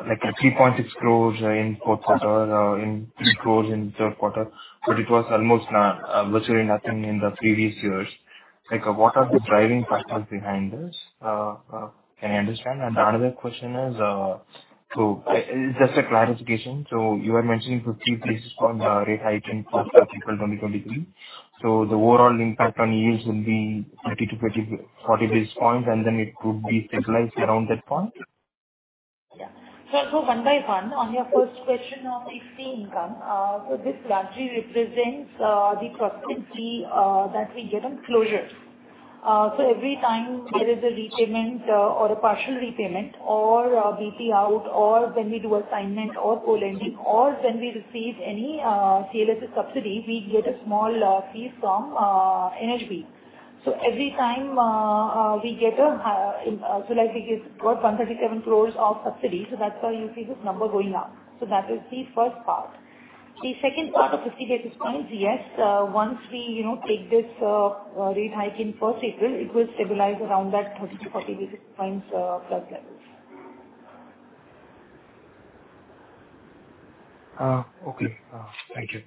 like 3.6 crores in fourth quarter, and 3 crores in third quarter, but it was almost virtually nothing in the previous years. Like, what are the driving factors behind this? Can you understand? Another question is just a clarification. You are mentioning 50 basis point rate hike in 1st April 2023. The overall impact on yields will be 30-40 basis points, and then it could be stabilized around that point? I'll go one by one. On your first question on fee income, this largely represents the processing fee that we get on closures. Every time there is a repayment, or a partial repayment or a BT out or when we do assignment or co-lending or when we receive any CLSS subsidy, we get a small fees from NHB. Every time, like we got 137 crores of subsidy, that's why you see this number going up. That is the first part. The second part of 50 basis points, yes, once we, you know, take this rate hike in first April, it will stabilize around that 30-40 basis points plus levels. Okay. Thank you.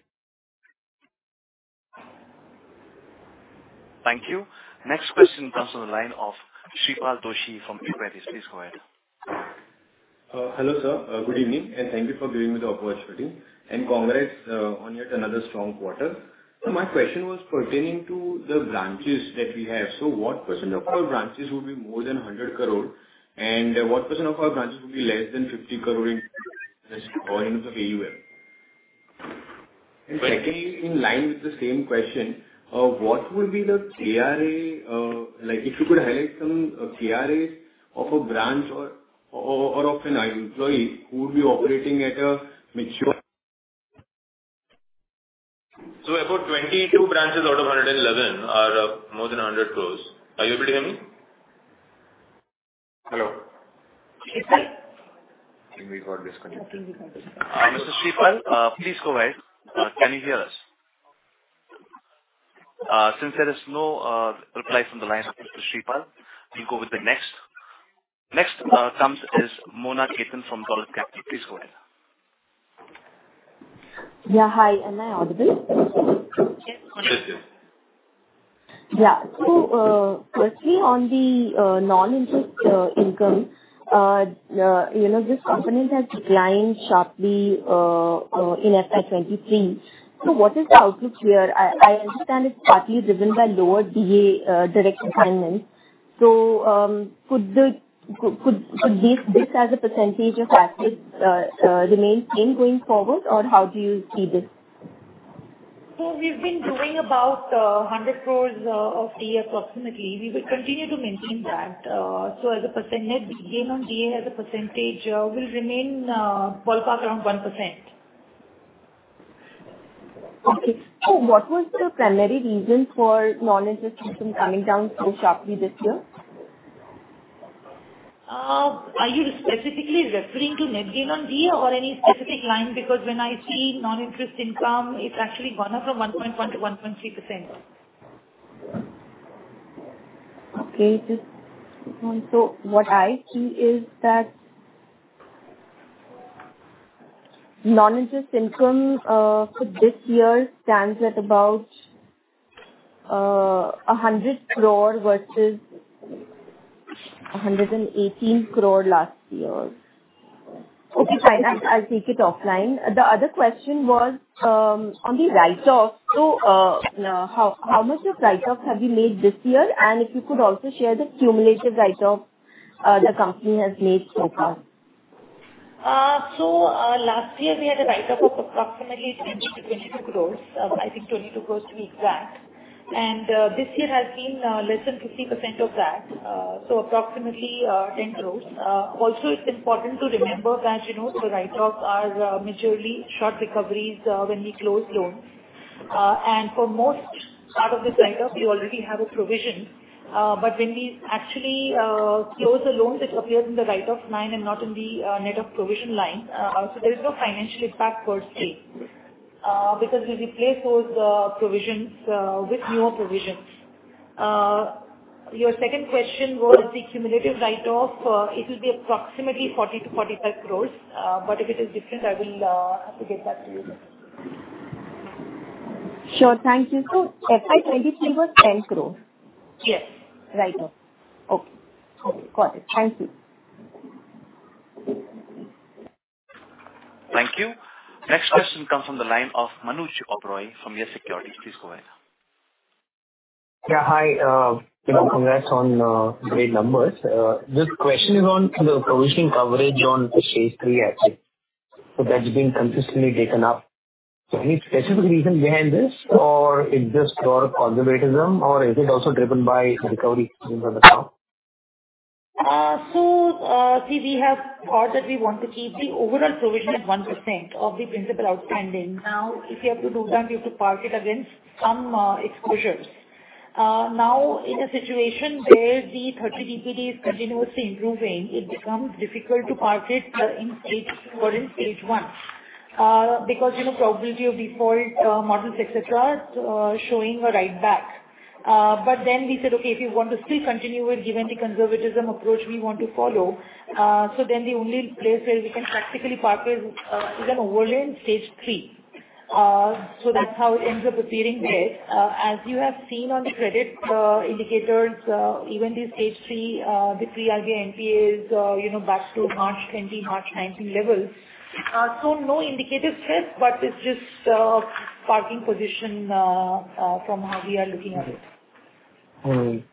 Thank you. Next question comes on the line of Shreepal Doshi from Equirus. Please go ahead. Hello, sir. Good evening, and thank you for giving me the opportunity. Congrats on yet another strong quarter. My question was pertaining to the branches that we have. What % of our branches would be more than 100 crore? What % of our branches would be less than 50 crore in the AUM? Secondly, in line with the same question, what would be the KRA, like if you could highlight some KRAs of a branch or of an employee who would be operating at a mature ? About 22 branches out of 111 are more than 100 crores. Are you able to hear me? Hello? Yes, sir. I think we got disconnected. I think we got disconnected. Mr. Shreepal, please go ahead. Can you hear us? Since there is no reply from the line of Mr. Shreepal, we'll go with the next. Next comes is Mona Khetan from Dolat Capital. Please go ahead. Yeah. Hi. Am I audible? Yes. Yes, you are. Yeah. Firstly on the non-interest income, you know, this component has declined sharply in FY 2023. What is the outlook here? I understand it's partly driven by lower DA, direct assignments. Could this as a % of assets remain same going forward or how do you see this? We've been doing about 100 crores of DA approximately. We will continue to maintain that. As a percent, net gain on DA as a percentage, will remain ballpark around 1%. Okay. What was the primary reason for non-interest income coming down so sharply this year? Are you specifically referring to net gain on DA or any specific line? When I see non-interest income, it's actually gone up from 1.1% to 1.3%. Just what I see is that non-interest income for this year stands at about 100 crore versus 118 crore last year. Okay, fine. I'll take it offline. The other question was on the write-offs. How much of write-offs have you made this year? If you could also share the cumulative write-off the company has made so far. Last year we had a write-up of approximately 20 crores -22 crores. I think 22 crores to be exact. This year has been less than 50% of that. Approximately 10 crores. Also it's important to remember that, you know, the write-off are majorly short recoveries when we close loans. For most part of this write-off, we already have a provision. When we actually close the loans, it appears in the write-off line and not in the net of provision line. There is no financial impact per se because we replace those provisions with new provisions. Your second question was the cumulative write-off. It will be approximately 40-45 crores. if it is different, I will have to get back to you. Sure. Thank you. FY 2023 was 10 crores? Yes. Write-off. Okay. Okay. Got it. Thank you. Thank you. Next question comes from the line of Manuj Oberoi from YES Securities. Please go ahead. Yeah, hi. you know, congrats on great numbers. This question is on the provision coverage on the stage three asset. That's been consistently taken up. Any specific reason behind this or is this your conservatism or is it also driven by recovery teams as well? See, we have thought that we want to keep the overall provision at 1% of the principal outstanding. If you have to do that, you have to park it against some exposures. In a situation where the 30 DPD is continuously improving, it becomes difficult to park it in Stage 2 or in Stage 1. You know, probability of default models, etcetera, showing a write back. We said, okay, if you want to still continue with given the conservatism approach we want to follow, the only place where we can practically park is an overlay in Stage 3. That's how it ends up appearing there. As you have seen on the credit indicators, even the stage three, the pre-NPA is, you know, back to March 2020, March 2019 levels. No indicative risk, but it's just parking position from how we are looking at it. Looking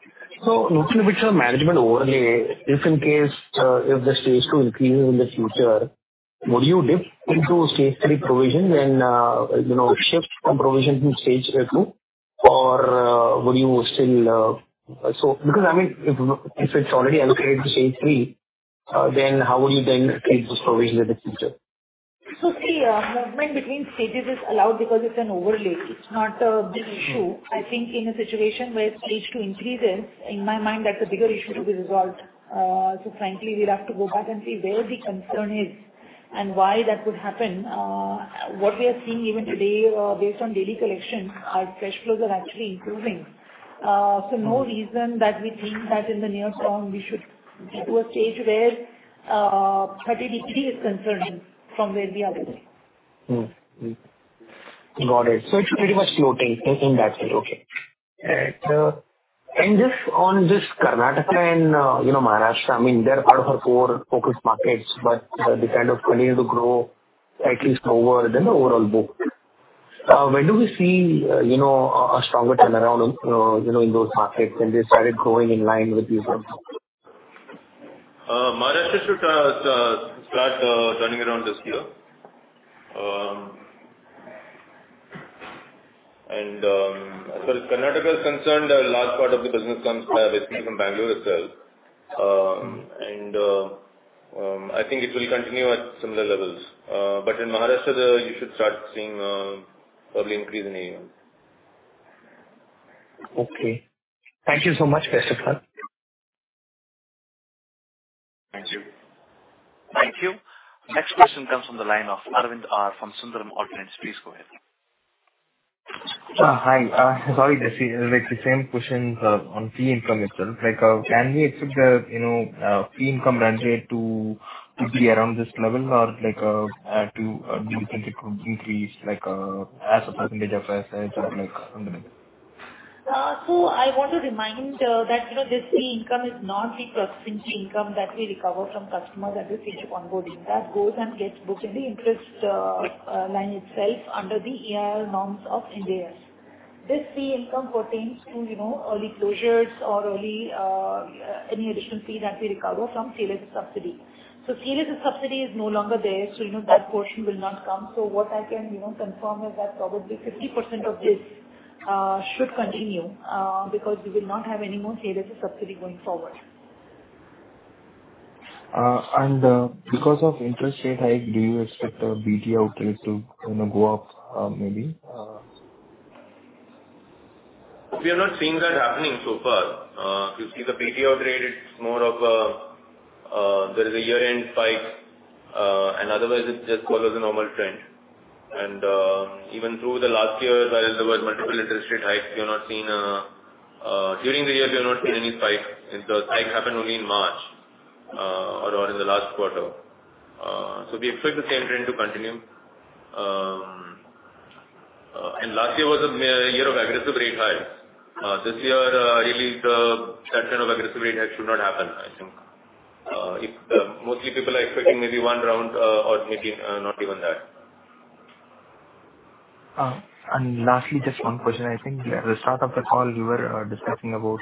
a bit at management overlay, if in case, if the stage two increases in the future, would you dip into stage three provision and, you know, shift from provision to stage two? Because I mean, if it's already allocated to stage three, then how will you then keep this provision in the future? See, movement between stages is allowed because it's an overlay. It's not a big issue. I think in a situation where stage two increases, in my mind, that's a bigger issue to be resolved. Frankly, we'd have to go back and see where the concern is and why that would happen. What we are seeing even today, based on daily collection, our cash flows are actually improving. No reason that we think that in the near term we should get to a stage where 30 DPD is concerned from where we are today. Mm-hmm. Got it. It should be pretty much floating in that way. Okay. Just on this Karnataka and, you know, Maharashtra, I mean, they're out of our core focused markets, but they kind of continue to grow at least lower than the overall book. When do we see, you know, a stronger turnaround, you know, in those markets than they started growing in line with you folks? Maharashtra should start turning around this year. As far as Karnataka is concerned, a large part of the business comes basically from Bangalore itself. I think it will continue at similar levels. In Maharashtra, you should start seeing probably increase in AUM. Okay. Thank you so much, Manoj. Thank you. Thank you. Next question comes from the line of Arvind Ramachandran from Sundaram Alternates. Please go ahead. Hi. Sorry just the, like the same questions, on fee income itself. Can we expect the, you know, fee income run rate to be around this level or to do you think it could increase as a percentage of assets or like something like that? I want to remind that, you know, this fee income is not the processing fee income that we recover from customers that we finish onboarding. That goes and gets booked in the interest line itself under the Ind AS norms. This fee income pertains to, you know, early closures or early any additional fee that we recover from CLSS subsidy. CLSS subsidy is no longer there. You know that portion will not come. What I can, you know, confirm is that probably 50% of this should continue because we will not have any more CLSS subsidy going forward. Because of interest rate hike, do you expect the BT rate to, you know, go up, maybe? We are not seeing that happening so far. You see the BT rate, it's more of a, there is a year-end spike, otherwise it just follows a normal trend. Even through the last year, while there were multiple interest rate hikes, we have not seen during the year we have not seen any spikes. The spikes happened only in March, or in the last quarter. We expect the same trend to continue. Last year was a year of aggressive rate hikes. This year, really the, that kind of aggressive rate hike should not happen, I think. It's mostly people are expecting maybe one round, or maybe not even that. Lastly, just one question. I think at the start of the call you were discussing about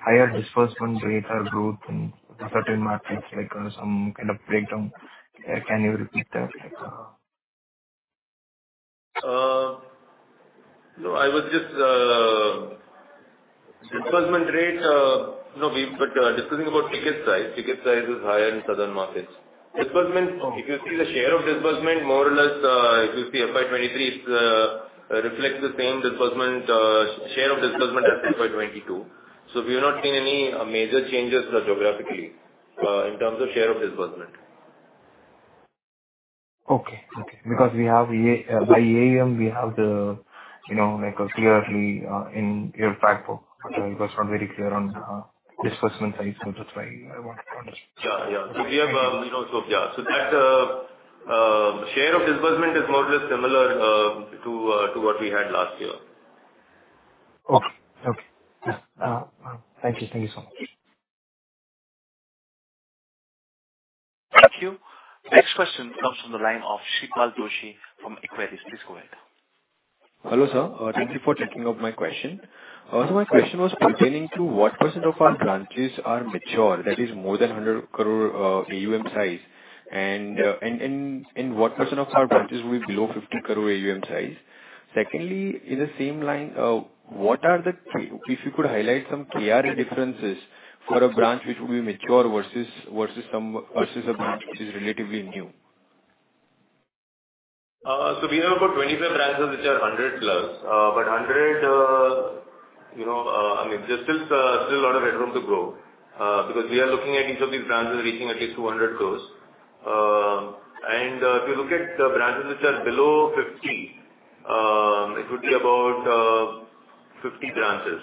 higher disbursement rates or growth in certain markets, like, some kind of breakdown. Can you repeat that? No. I was just disbursement rate, no, we've been discussing about ticket size. Ticket size is higher in southern markets. Disbursement, if you see the share of disbursement more or less, if you see FY 2023, it's reflects the same disbursement, share of disbursement as FY 2022. We've not seen any major changes geographically, in terms of share of disbursement. Okay. Okay. We have a, by AUM, we have the, you know, like, clearly, in your fact book, but it was not very clear on disbursement size. That's why I want to understand. Yeah. Yeah. We have, you know, so yeah. That, share of disbursement is more or less similar, to what we had last year. Okay. Okay. Yeah. Thank you. Thank you so much. Thank you. Next question comes from the line of Shreepal Doshi from Equirus. Please go ahead. Hello, sir. Thank you. Thank you for taking up my question. My question was pertaining to what % of our branches are mature, that is more than 100 crore AUM size and what % of our branches will be below 50 crore AUM size? Secondly, in the same line, if you could highlight some KRA differences for a branch which will be mature versus some, versus a branch which is relatively new. We have about 25 branches which are 100+. 100, you know, I mean, there's still a lot of headroom to grow because we are looking at each of these branches reaching at least 200 crores. If you look at the branches which are below 50, it would be about 50 branches.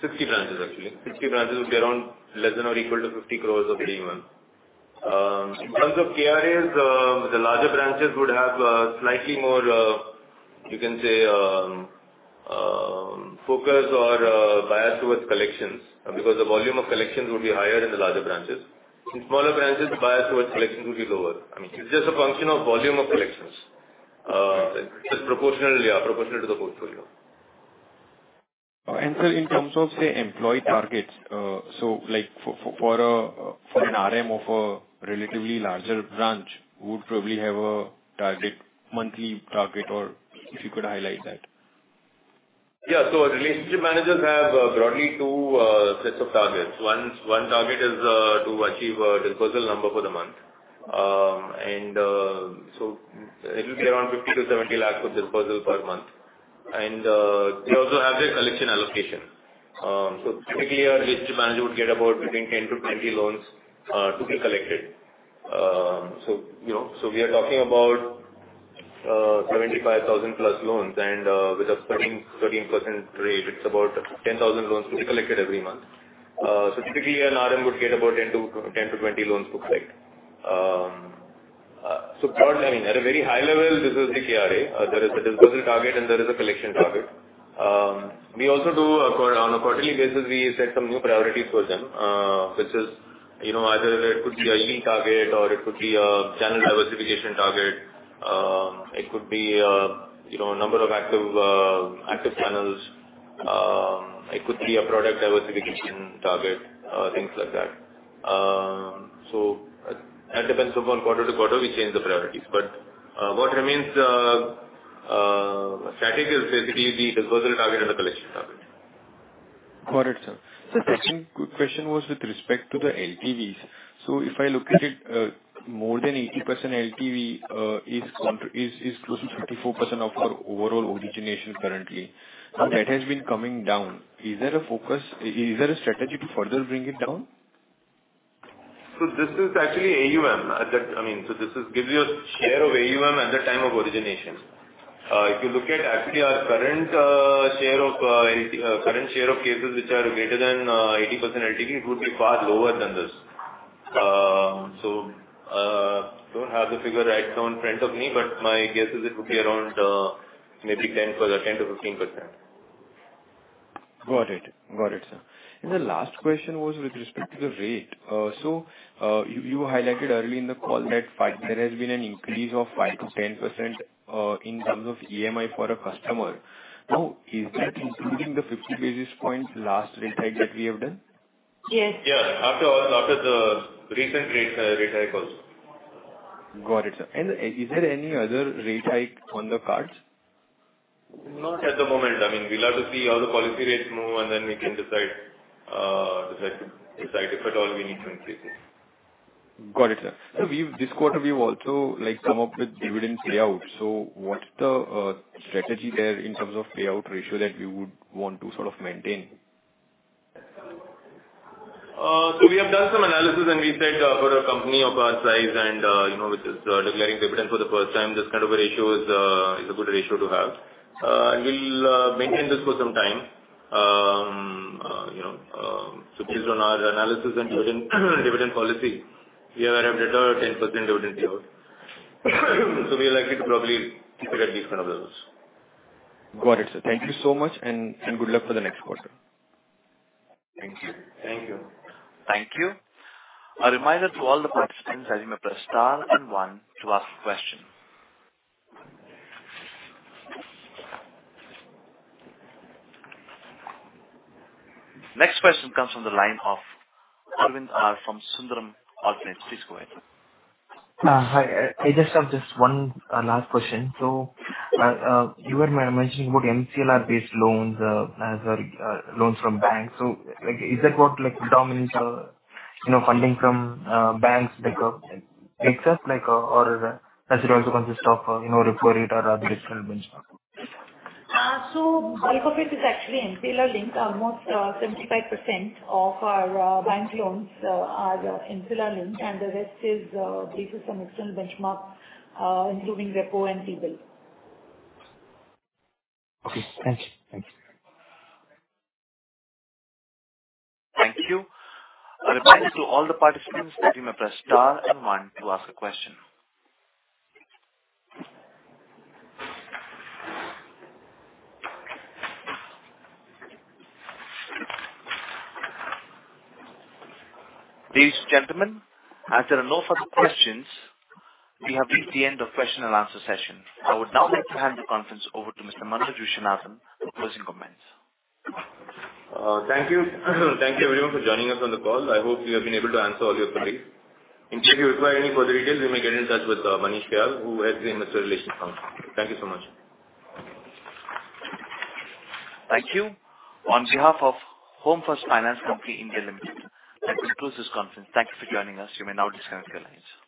60 branches, actually. 60 branches would be around less than or equal to 50 crores of AUM. In terms of KRAs, the larger branches would have slightly more, you can say, focus or bias towards collections because the volume of collections would be higher in the larger branches. In smaller branches, the bias towards collection would be lower. I mean, it's just a function of volume of collections. It's proportional to the portfolio. Sir, in terms of, say, employee targets. like for an RM of a relatively larger branch would probably have a target, monthly target or if you could highlight that? Yeah. Relationship managers have broadly two sets of targets. One target is to achieve a dispersal number for the month. It will be around 50 lakhs-70 lakhs of dispersal per month. They also have their collection allocation. Typically a relationship manager would get about between 10-20 loans to be collected. You know, we are talking about 75,000+ loans and with a 13% rate it's about 10,000 loans to be collected every month. Typically an RM would get about 10-20 loans to collect. Broadly, I mean, at a very high level, this is the KRA. There is the dispersal target and there is a collection target. We also do on a quarterly basis, we set some new priorities for them, which is, you know, either it could be a yield target or it could be a channel diversification target. It could be, you know, number of active channels. It could be a product diversification target, things like that. So that depends upon quarter to quarter, we change the priorities. What remains static is basically the dispersal target and the collection target. Got it, sir. Yes. The second quick question was with respect to the LTVs. If I look at it, more than 80% LTV is close to 54% of our overall origination currently. Okay. Now that has been coming down. Is there a strategy to further bring it down? This is actually AUM. That, I mean, this is gives you a share of AUM at the time of origination. If you look at actually our current share of LTV, current share of cases which are greater than 80% LTV, it would be far lower than this. Don't have the figure right now in front of me, but my guess is it would be around maybe 10%, 10%-15%. Got it. Got it, sir. The last question was with respect to the rate. You highlighted early in the call that there has been an increase of 5% to 10% in terms of EMI for a customer. Is that including the 50 basis points last rate hike that we have done? Yes. Yeah. After the recent rate hike also. Got it, sir. Is there any other rate hike on the cards? Not at the moment. I mean, we'll have to see how the policy rates move, and then we can decide if at all we need to increase it. Got it, sir. We've, this quarter we've also, like, come up with dividend payout. What's the strategy there in terms of payout ratio that we would want to sort of maintain? We have done some analysis, and we said for a company of our size and, you know, which is declaring dividend for the first time, this kind of a ratio is a good ratio to have. We'll maintain this for some time. You know, based on our analysis and dividend policy, we have adopted a 10% dividend payout. We are likely to probably keep it at these kind of levels. Got it, sir. Thank you so much and good luck for the next quarter. Thank you. Thank you. Thank you. A reminder to all the participants that you may press star and 1 to ask a question. Next question comes from the line of Arvind Ramachandran from Sundaram Alternates. Please go ahead. Hi. I just have just one last question. You were mentioning about MCLR-based loans as are loans from banks. Like, is that what, like, dominates our, you know, funding from banks, like, excess, or does it also consist of, you know, repo rate or other external benchmark? Bulk of it is actually MCLR-linked. Almost, 75% of our bank loans are MCLR-linked, and the rest is based on some external benchmark, including repo and T-bill. Okay. Thank you. Thank you. Thank you. A reminder to all the participants that you may press star and one to ask a question. Ladies and gentlemen, as there are no further questions, we have reached the end of question and answer session. I would now like to hand the conference over to Mr. Manoj Viswanathan for closing comments. Thank you. Thank you, everyone, for joining us on the call. I hope we have been able to answer all your queries. In case you require any further details, you may get in touch with Manish Kayal, who heads the investor relations function. Thank you so much. Thank you. On behalf of Home First Finance Company India Limited, let me close this conference. Thank you for joining us. You may now disconnect your lines.